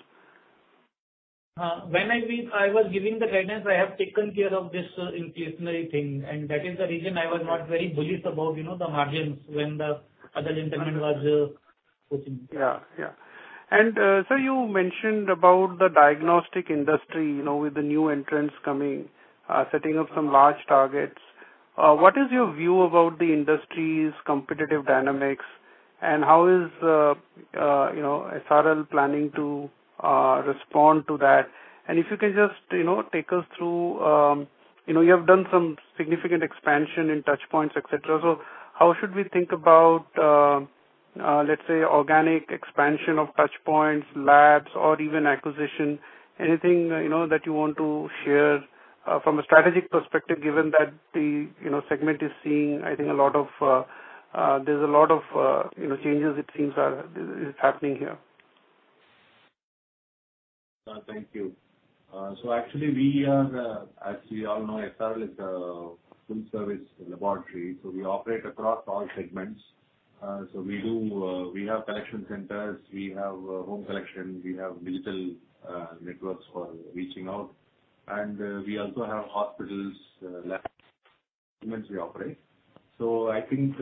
When I mean I was giving the guidance, I have taken care of this inflationary thing. That is the reason I was not very bullish about, you know, the margins when the other gentleman was pushing. Yeah, yeah. Sir, you mentioned about the diagnostic industry, you know, with the new entrants coming, setting up some large targets. What is your view about the industry's competitive dynamics, and how is, you know, SRL planning to respond to that? If you can just, you know, take us through, you know, you have done some significant expansion in touchpoints, et cetera. How should we think about, let's say, organic expansion of touchpoints, labs, or even acquisition? Anything, you know, that you want to share, from a strategic perspective, given that the, you know, segment is seeing, I think, a lot of changes it seems are happening here. Thank you. Actually we are, as we all know, SRL is a full-service laboratory, so we operate across all segments. We do, we have collection centers, we have home collection, we have digital networks for reaching out, and we also have hospitals, labs we operate. I think,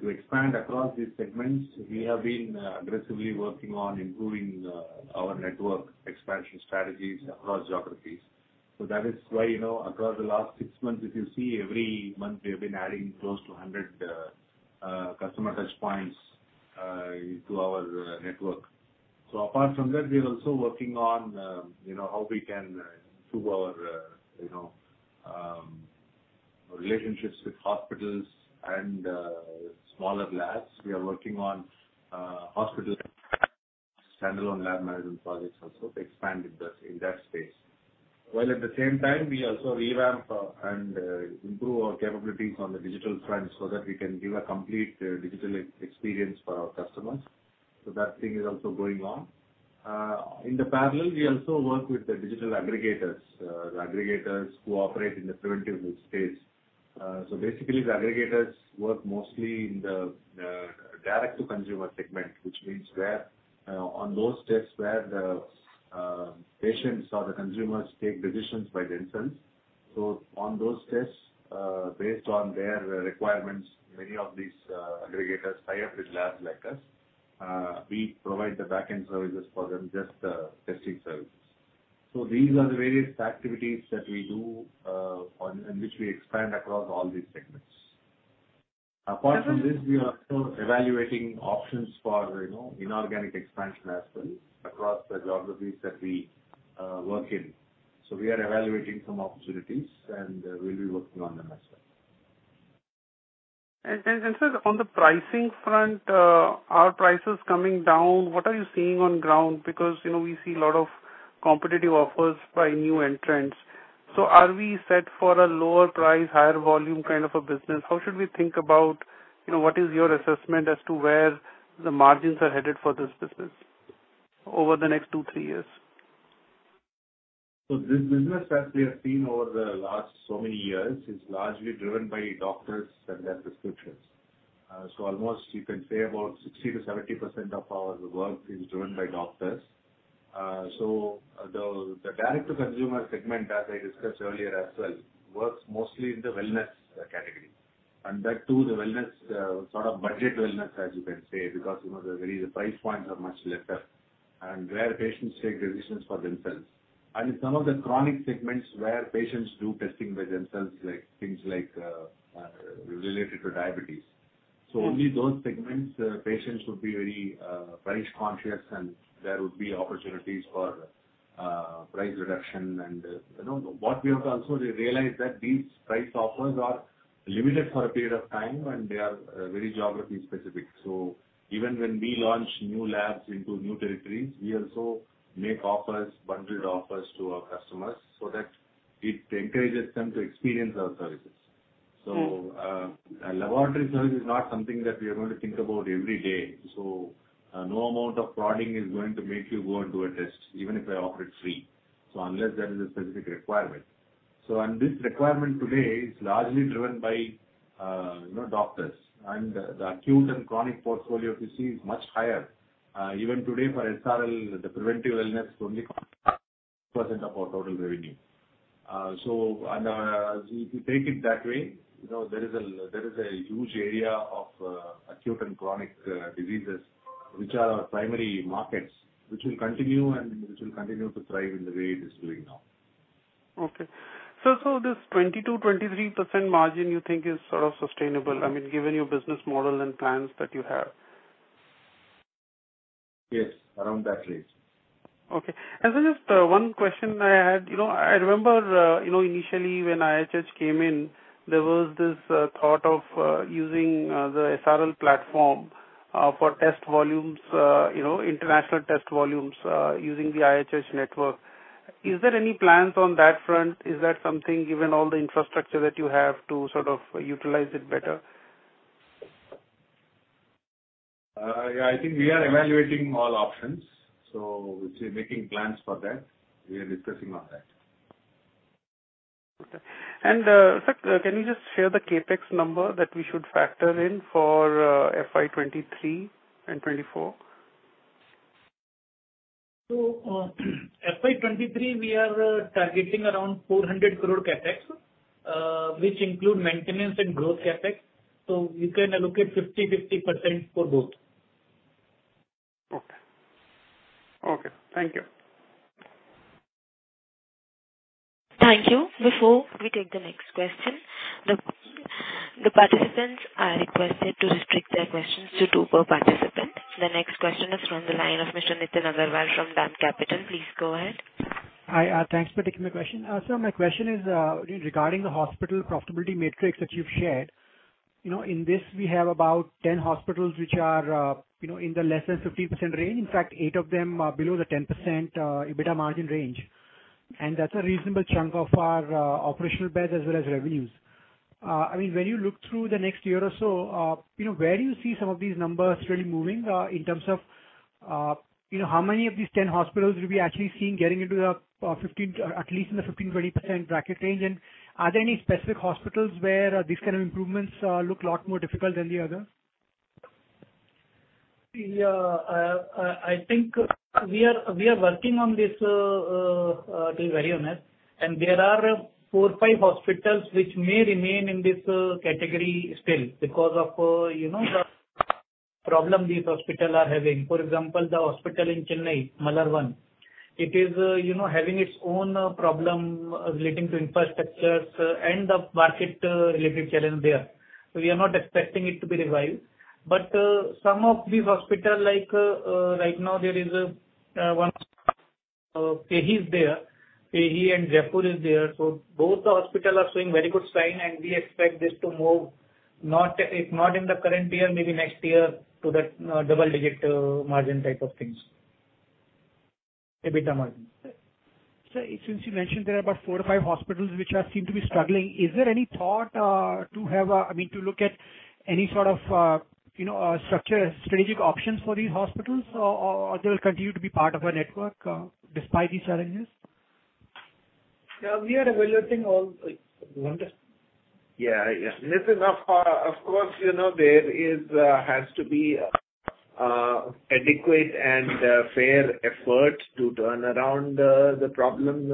to expand across these segments, we have been aggressively working on improving our network expansion strategies across geographies. That is why, you know, across the last six months, if you see, every month we have been adding close to 100 customer touchpoints into our network. Apart from that, we are also working on, you know, how we can improve our, you know, relationships with hospitals and smaller labs. We are working on hospital standalone lab management projects also to expand in that space. While at the same time we also revamp and improve our capabilities on the digital front so that we can give a complete digital experience for our customers. That thing is also going on. In parallel we also work with the digital aggregators. The aggregators who operate in the preventative space. Basically the aggregators work mostly in the direct to consumer segment, which means where on those tests where the patients or the consumers take decisions by themselves. On those tests, based on their requirements, many of these aggregators tie up with labs like us. We provide the back-end services for them, just testing services. These are the various activities that we do, on in which we expand across all these segments. Apart from this, we are still evaluating options for, you know, inorganic expansion as well across the geographies that we work in. We are evaluating some opportunities, and we'll be working on them as well. Sir, on the pricing front, are prices coming down? What are you seeing on ground? Because, you know, we see a lot of competitive offers by new entrants. Are we set for a lower price, higher volume kind of a business? How should we think about, you know, what is your assessment as to where the margins are headed for this business over the next two, three years? This business, as we have seen over the last so many years, is largely driven by doctors and their prescriptions. Almost you can say about 60%-70% of our work is driven by doctors. The direct-to-consumer segment, as I discussed earlier as well, works mostly in the wellness category. That too the wellness sort of budget wellness, as you can say, because, you know, the price points are much lesser, and where patients take decisions for themselves. In some of the chronic segments where patients do testing by themselves, like things like related to diabetes. Only those segments patients would be very price conscious and there would be opportunities for price reduction. You know, what we have also realized that these price offers are limited for a period of time, and they are very geography specific. Even when we launch new labs into new territories, we also make offers, bundled offers to our customers so that it encourages them to experience our services. Mm-hmm. A laboratory service is not something that we are going to think about every day, so no amount of prodding is going to make you go and do a test even if I offer it free, so unless there is a specific requirement. This requirement today is largely driven by, you know, doctors and the acute and chronic portfolio we see is much higher. Even today for SRL, the preventive wellness only percent of our total revenue. If you take it that way, you know, there is a huge area of acute and chronic diseases which are our primary markets, which will continue to thrive in the way it is doing now. Okay. This 20%-23% margin you think is sort of sustainable, I mean, given your business model and plans that you have? Yes. Around that range. Okay. Then just one question I had. You know, I remember, you know, initially when IHH came in, there was this thought of using the SRL platform for test volumes, you know, international test volumes, using the IHH network. Is there any plans on that front? Is that something, given all the infrastructure that you have, to sort of utilize it better? Yeah, I think we are evaluating all options. We say making plans for that. We are discussing on that. Okay. Sir, can you just share the CapEx number that we should factor in for FY 2023 and 2024? FY 2023 we are targeting around 400 crore CapEx, which include maintenance and growth CapEx. You can allocate 50/50% for both. Okay. Thank you. Thank you. Before we take the next question, the participants are requested to restrict their questions to two per participant. The next question is from the line of Mr. Nitin Agarwal from DAM Capital. Please go ahead. Hi. Thanks for taking the question. So my question is regarding the hospital profitability metrics that you've shared. You know, in this we have about 10 hospitals which are, you know, in the less than 50% range. In fact, 8 of them are below the 10% EBITDA margin range. That's a reasonable chunk of our operational beds as well as revenues. I mean, when you look through the next year or so, you know, where do you see some of these numbers really moving in terms of, you know, how many of these 10 hospitals will be actually seeing getting into the 15%-20% bracket range? Are there any specific hospitals where these kind of improvements look a lot more difficult than the other? Yeah. I think we are working on this to be very honest. There are four or five hospitals which may remain in this category still because of you know, the problem these hospital are having. For example, the hospital in Chennai, Malar one, it is you know, having its own problem relating to infrastructure and the market related challenge there. We are not expecting it to be revived. Some of these hospital like right now there is one FEHI is there. FEHI in Jaipur is there. So both the hospital are showing very good sign, and we expect this to move, if not in the current year, maybe next year, to that double-digit margin type of things. EBITDA margin. Sir, since you mentioned there are about four to five hospitals which seem to be struggling, is there any thought, I mean, to look at any sort of, you know, structured strategic options for these hospitals, or they'll continue to be part of a network, despite these challenges? Yeah. We are evaluating all. Yeah. Yeah. Nitin, of course, you know, there has to be adequate and fair effort to turn around the problem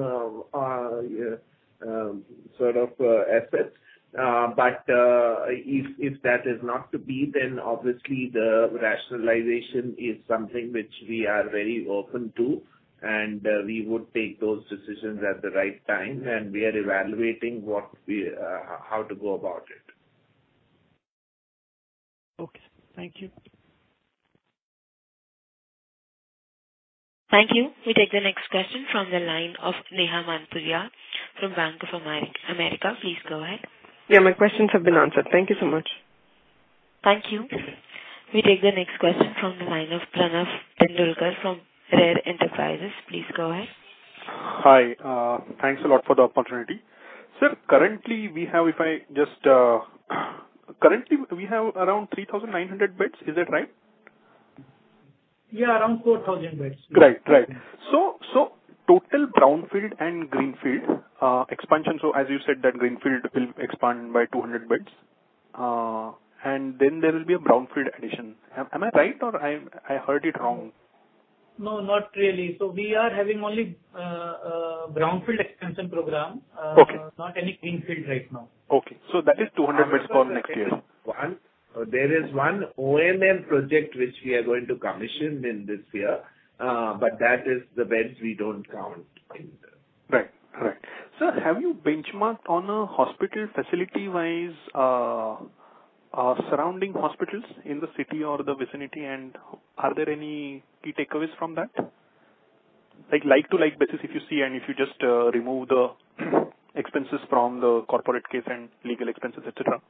sort of assets. If that is not to be, then obviously the rationalization is something which we are very open to, and we would take those decisions at the right time, and we are evaluating how to go about it. Okay. Thank you. Thank you. We take the next question from the line of Neha Manpuria from Bank of America. Please go ahead. Yeah, my questions have been answered. Thank you so much. Thank you. We take the next question from the line of Pranav Tendolkar from Rare Enterprises. Please go ahead. Hi, thanks a lot for the opportunity. Sir, currently we have around 3,900 beds. Is that right? Yeah, around 4,000 beds. Right. Total brownfield and greenfield expansion, so as you said that greenfield will expand by 200 beds, and then there will be a brownfield addition. Am I right or I heard it wrong? No, not really. We are having only brownfield expansion program. Okay. Not any greenfield right now. Okay. That is 200 beds for next year. There is one O&M project which we are going to commission in this year, but that is the beds we don't count in. Right. Sir, have you benchmarked on a hospital facility-wise, surrounding hospitals in the city or the vicinity and are there any key takeaways from that? Like to like basis if you see and if you just, remove the expenses from the corporate costs and legal expenses, et cetera.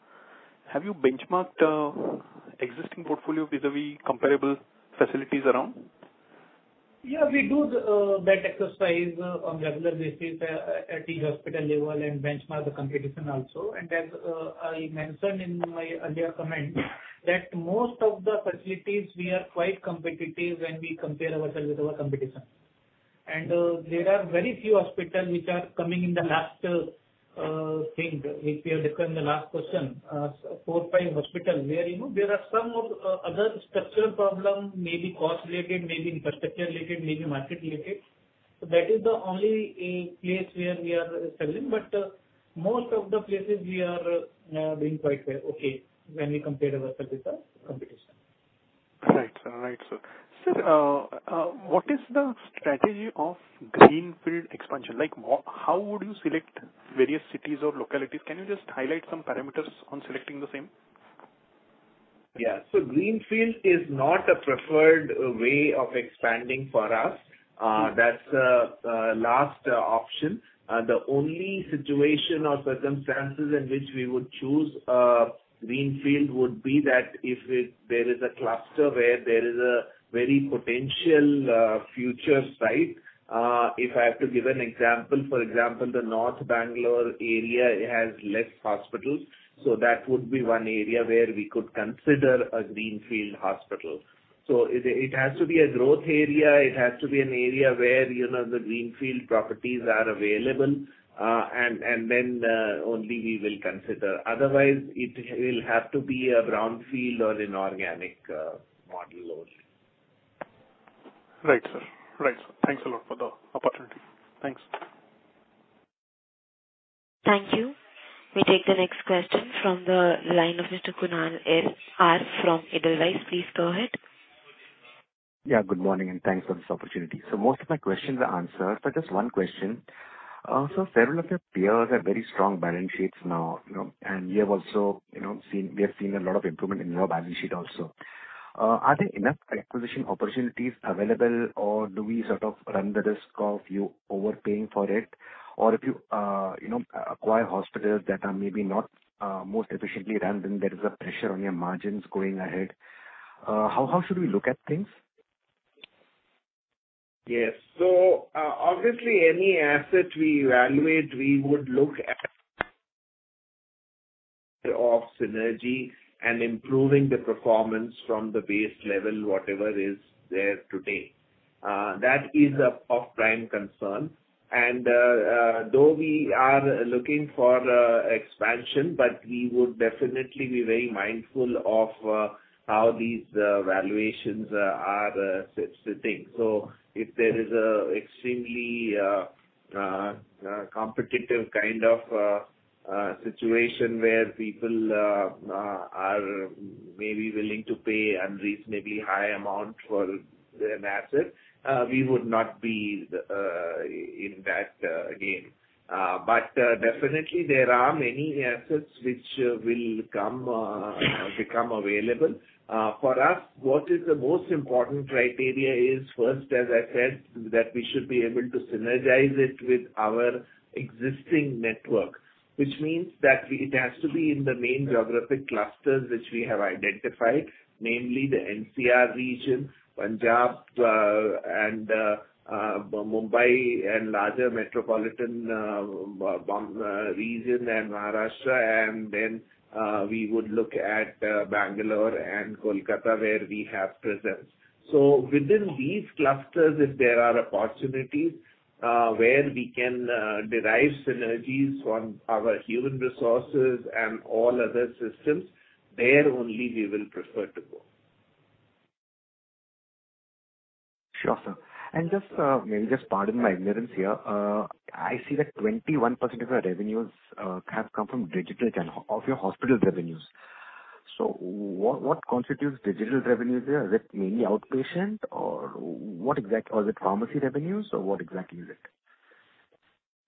Have you benchmarked, existing portfolio vis-a-vis comparable facilities around? Yeah, we do that exercise on regular basis at the hospital level and benchmark the competition also. As I mentioned in my earlier comment, that most of the facilities we are quite competitive when we compare ourselves with our competition. There are very few hospitals which are coming in the last thing, which we have discussed in the last question. Four to five hospitals where, you know, there are some other structural problem, maybe cost related, maybe infrastructure related, maybe market related. That is the only place where we are lagging. Most of the places we are doing quite okay, when we compare ourselves with our competition. Right, sir. What is the strategy of greenfield expansion? Like, how would you select various cities or localities? Can you just highlight some parameters on selecting the same? Yeah. Greenfield is not a preferred way of expanding for us. That's last option. The only situation or circumstances in which we would choose a greenfield would be that if there is a cluster where there is a very potential future site. If I have to give an example, for example, the North Bangalore area, it has less hospitals, so that would be one area where we could consider a greenfield hospital. It has to be a growth area, it has to be an area where, you know, the greenfield properties are available, and then only we will consider. Otherwise it will have to be a brownfield or inorganic model only. Right, sir. Thanks a lot for the opportunity. Thanks. Thank you. We take the next question from the line of Mr. Kunal from Edelweiss. Please go ahead. Yeah, good morning, and thanks for this opportunity. Most of my questions are answered. Just one question. Several of your peers have very strong balance sheets now, you know, and you have also, you know, we have seen a lot of improvement in your balance sheet also. Are there enough acquisition opportunities available, or do we sort of run the risk of you overpaying for it? Or if you know, acquire hospitals that are maybe not most efficiently run, then there is a pressure on your margins going ahead. How should we look at things? Obviously, any asset we evaluate, we would look at it for synergy and improving the performance from the base level, whatever is there today. That is a top prime concern. Though we are looking for expansion, we would definitely be very mindful of how these valuations are sitting. If there is an extremely competitive kind of situation where people are maybe willing to pay unreasonably high amount for an asset, we would not be in that game. Definitely there are many assets which will become available. For us, what is the most important criteria is, first, as I said, that we should be able to synergize it with our existing network. Which means that it has to be in the main geographic clusters which we have identified, namely the NCR region, Punjab, and Mumbai and larger metropolitan region and Maharashtra, and then we would look at Bangalore and Kolkata where we have presence. Within these clusters, if there are opportunities where we can derive synergies on our human resources and all other systems, there only we will prefer to go. Sure, sir. Just, maybe just pardon my ignorance here. I see that 21% of your revenues have come from digital channel of your hospital revenues. What constitutes digital revenues there? Is it mainly outpatient or what exactly or is it pharmacy revenues or what exactly is it?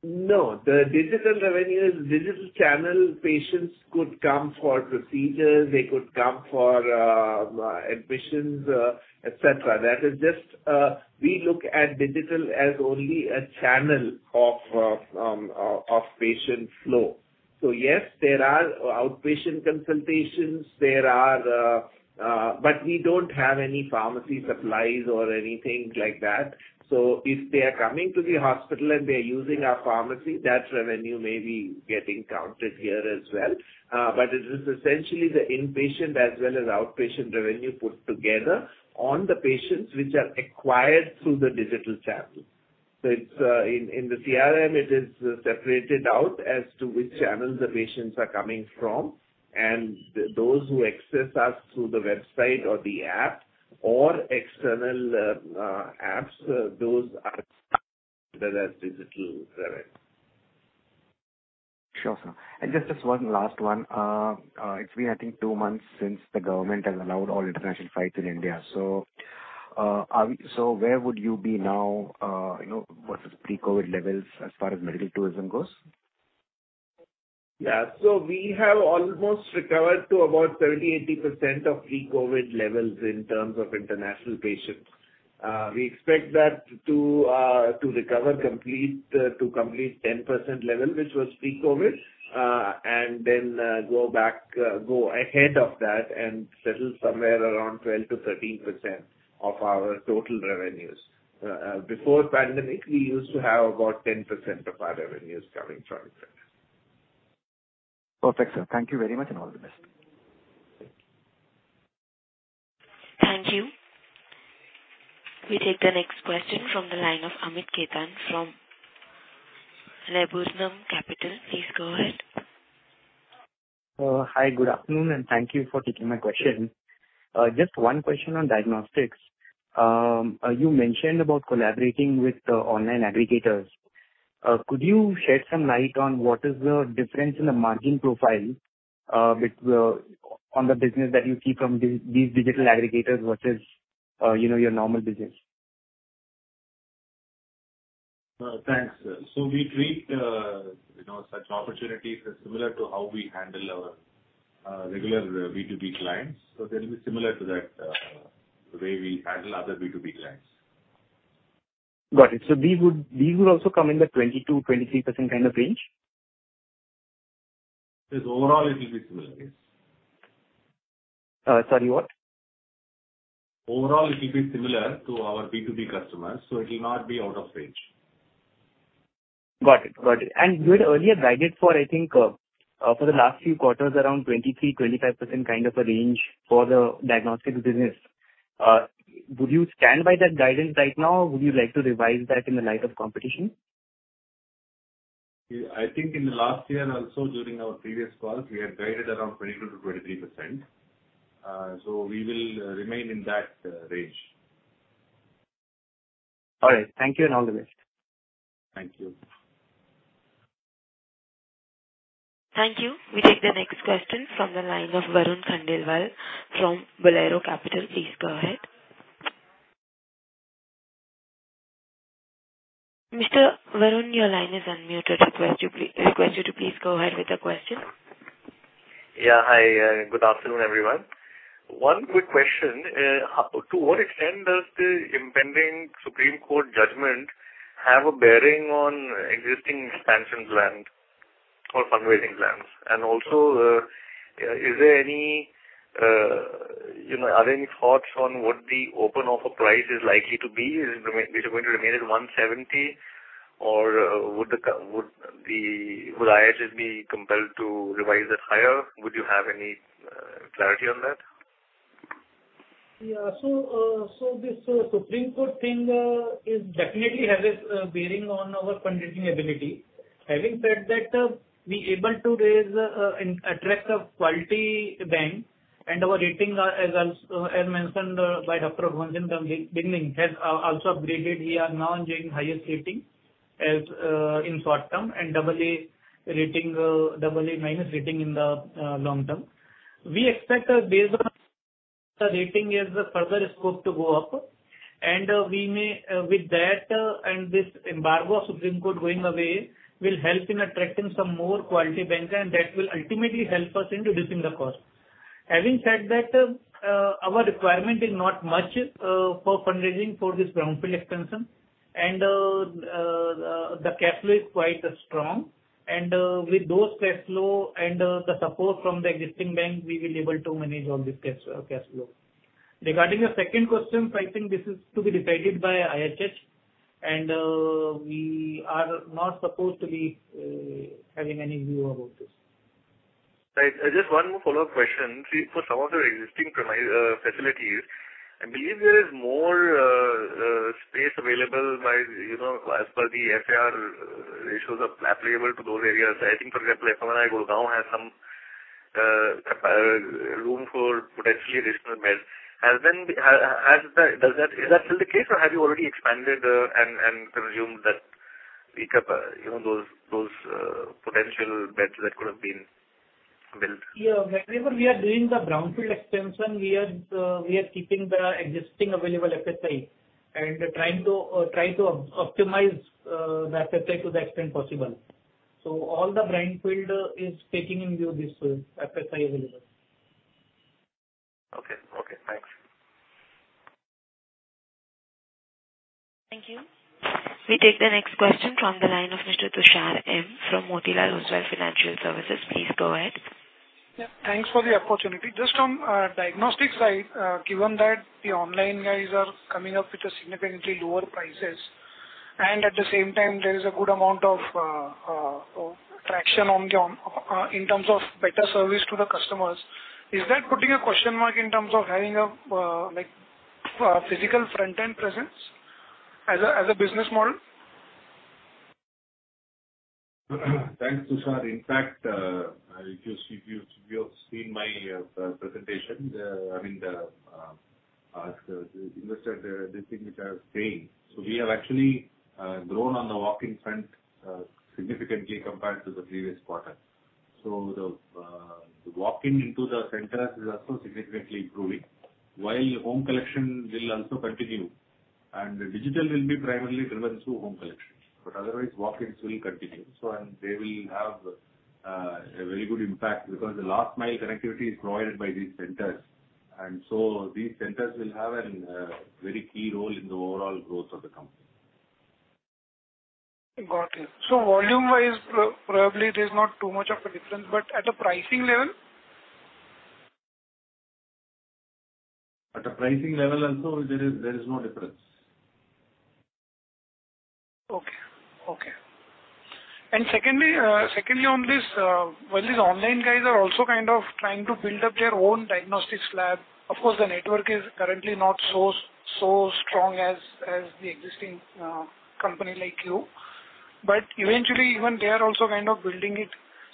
No, the digital revenue is digital channel patients could come for procedures. They could come for admissions, etc. That is just we look at digital as only a channel of patient flow. Yes, there are outpatient consultations, but we don't have any pharmacy supplies or anything like that. If they are coming to the hospital and they're using our pharmacy, that revenue may be getting counted here as well. It is essentially the inpatient as well as outpatient revenue put together on the patients which are acquired through the digital channel. It's in the CRM. It is separated out as to which channels the patients are coming from, and those who access us through the website or the app or external apps, those are digital revenue. Sure, sir. Just this one last one. It's been, I think, two months since the government has allowed all international flights in India. Where would you be now, you know, versus pre-COVID levels as far as medical tourism goes? Yeah. We have almost recovered to about 70%-80% of pre-COVID levels in terms of international patients. We expect that to recover completely to the complete 10% level, which was pre-COVID, and then go ahead of that and settle somewhere around 12%-13% of our total revenues. Before pandemic, we used to have about 10% of our revenues coming from international. Perfect, sir. Thank you very much, and all the best. Thank you. Thank you. We take the next question from the line of Amit Khetan from Laburnum Capital. Please go ahead. Hi, good afternoon, and thank you for taking my question. Just one question on diagnostics. You mentioned about collaborating with online aggregators. Could you shed some light on what is the difference in the margin profile on the business that you see from these digital aggregators versus, you know, your normal business? Thanks. We treat you know such opportunities as similar to how we handle our regular B2B clients. They'll be similar to that, the way we handle other B2B clients. Got it. These would also come in the 20%-23% kind of range? Just overall it will be similar, yes. Sorry, what? Overall, it will be similar to our B2B customers, so it will not be out of range. Got it. You had earlier guided for, I think, for the last few quarters around 23%-25% kind of a range for the diagnostics business. Would you stand by that guidance right now, or would you like to revise that in the light of competition? I think in the last year also during our previous calls, we have guided around 22%-23%. We will remain in that range. All right. Thank you, and all the best. Thank you. Thank you. We take the next question from the line of Varun Khandelwal from Buoyant Capital. Please go ahead. Mr. Varun, your line is unmuted. Request you to please go ahead with your question. Yeah. Hi. Good afternoon, everyone. One quick question. To what extent does the impending Supreme Court judgment have a bearing on existing expansion plans or fundraising plans? Also, is there any, you know, are there any thoughts on what the open offer price is likely to be? Is it going to remain at 170 or would IHH be compelled to revise it higher? Would you have any clarity on that? This Supreme Court thing definitely has a bearing on our fundraising ability. Having said that, we are able to raise and attract a quality banker, and our ratings are, as mentioned by Dr. Raghuvanshi in the beginning, also upgraded. We are now enjoying the highest rating in the short term, and double-A rating, double-A minus rating in the long term. We expect, based on the rating, there is further scope to go up. With that, and this embargo of the Supreme Court going away, it will help in attracting some more quality bankers, and that will ultimately help us in reducing the cost. Having said that, our requirement is not much for fundraising for this brownfield expansion. The cash flow is quite strong. With those cash flow and the support from the existing bank, we will able to manage all this cash flow. Regarding your second question, I think this is to be decided by IHH, and we are not supposed to be having any view about this. Right. Just one more follow-up question. See, for some of the existing facilities, I believe there is more space available by, you know, as per the FAR ratios applicable to those areas. I think, for example, FMRI Gurgaon has some room for potentially additional beds. Is that still the case, or have you already expanded and consumed those potential beds that could have been? Yeah, whenever we are doing the brownfield extension, we are keeping the existing available FSI and trying to optimize the FSI to the extent possible. All the brownfield is taking into account the available FSI. Okay. Thanks. Thank you. We take the next question from the line of Mr. Tushar M. from Motilal Oswal Financial Services. Please go ahead. Yeah. Thanks for the opportunity. Just on diagnostics side, given that the online guys are coming up with significantly lower prices, and at the same time there is a good amount of traction in terms of better service to the customers. Is that putting a question mark in terms of having a like physical front-end presence as a business model? Thanks, Tushar. In fact, if you have seen my presentation, I mean the investor day thing which I was saying. We have actually grown on the walk-in front significantly compared to the previous quarter. The walk-in into the centers is also significantly improving, while home collection will also continue, and digital will be primarily driven through home collection. Otherwise walk-ins will continue. They will have a very good impact because the last mile connectivity is provided by these centers, and so these centers will have a very key role in the overall growth of the company. Got it. Volume-wise, probably there's not too much of a difference, but at a pricing level? At a pricing level also there is no difference. Secondly on this, well, these online guys are also kind of trying to build up their own diagnostics lab. Of course, the network is currently not so strong as the existing company like you, but eventually even they are also kind of building it.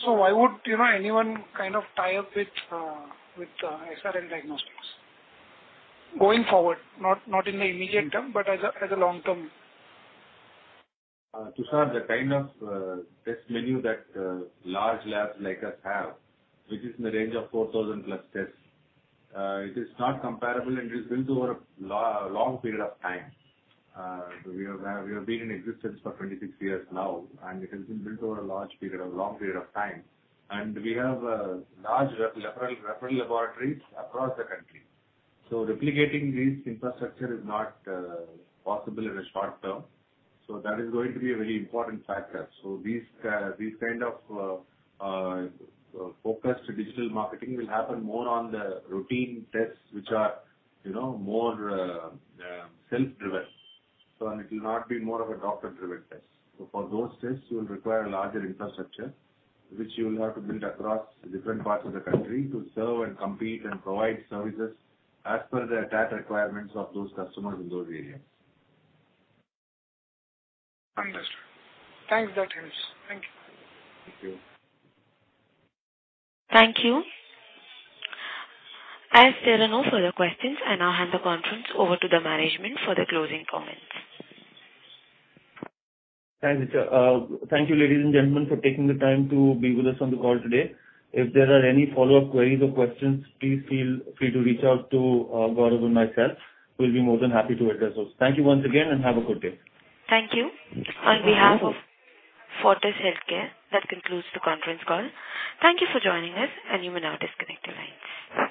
Why would, you know, anyone kind of tie up with SRL Diagnostics going forward, not in the immediate term, but as a long term? Tushar, the kind of test menu that large labs like us have, which is in the range of 4,000+ tests, it is not comparable and is built over a long period of time. We have been in existence for 26 years now, and it has been built over a long period of time. We have large referral laboratories across the country. Replicating this infrastructure is not possible in the short term. That is going to be a very important factor. These kind of focus on digital marketing will happen more on the routine tests which are, you know, more self-driven. It will not be more of a doctor-driven test. For those tests you'll require larger infrastructure, which you'll have to build across different parts of the country to serve and compete and provide services as per the exact requirements of those customers in those areas. Understood. Thanks. That helps. Thank you. Thank you. Thank you. As there are no further questions, I now hand the conference over to the management for the closing comments. Thanks, Richa. Thank you, ladies and gentlemen, for taking the time to be with us on the call today. If there are any follow-up queries or questions, please feel free to reach out to, Gaurav or myself. We'll be more than happy to address those. Thank you once again, and have a good day. Thank you. On behalf of Fortis Healthcare, that concludes the conference call. Thank you for joining us, and you may now disconnect your lines.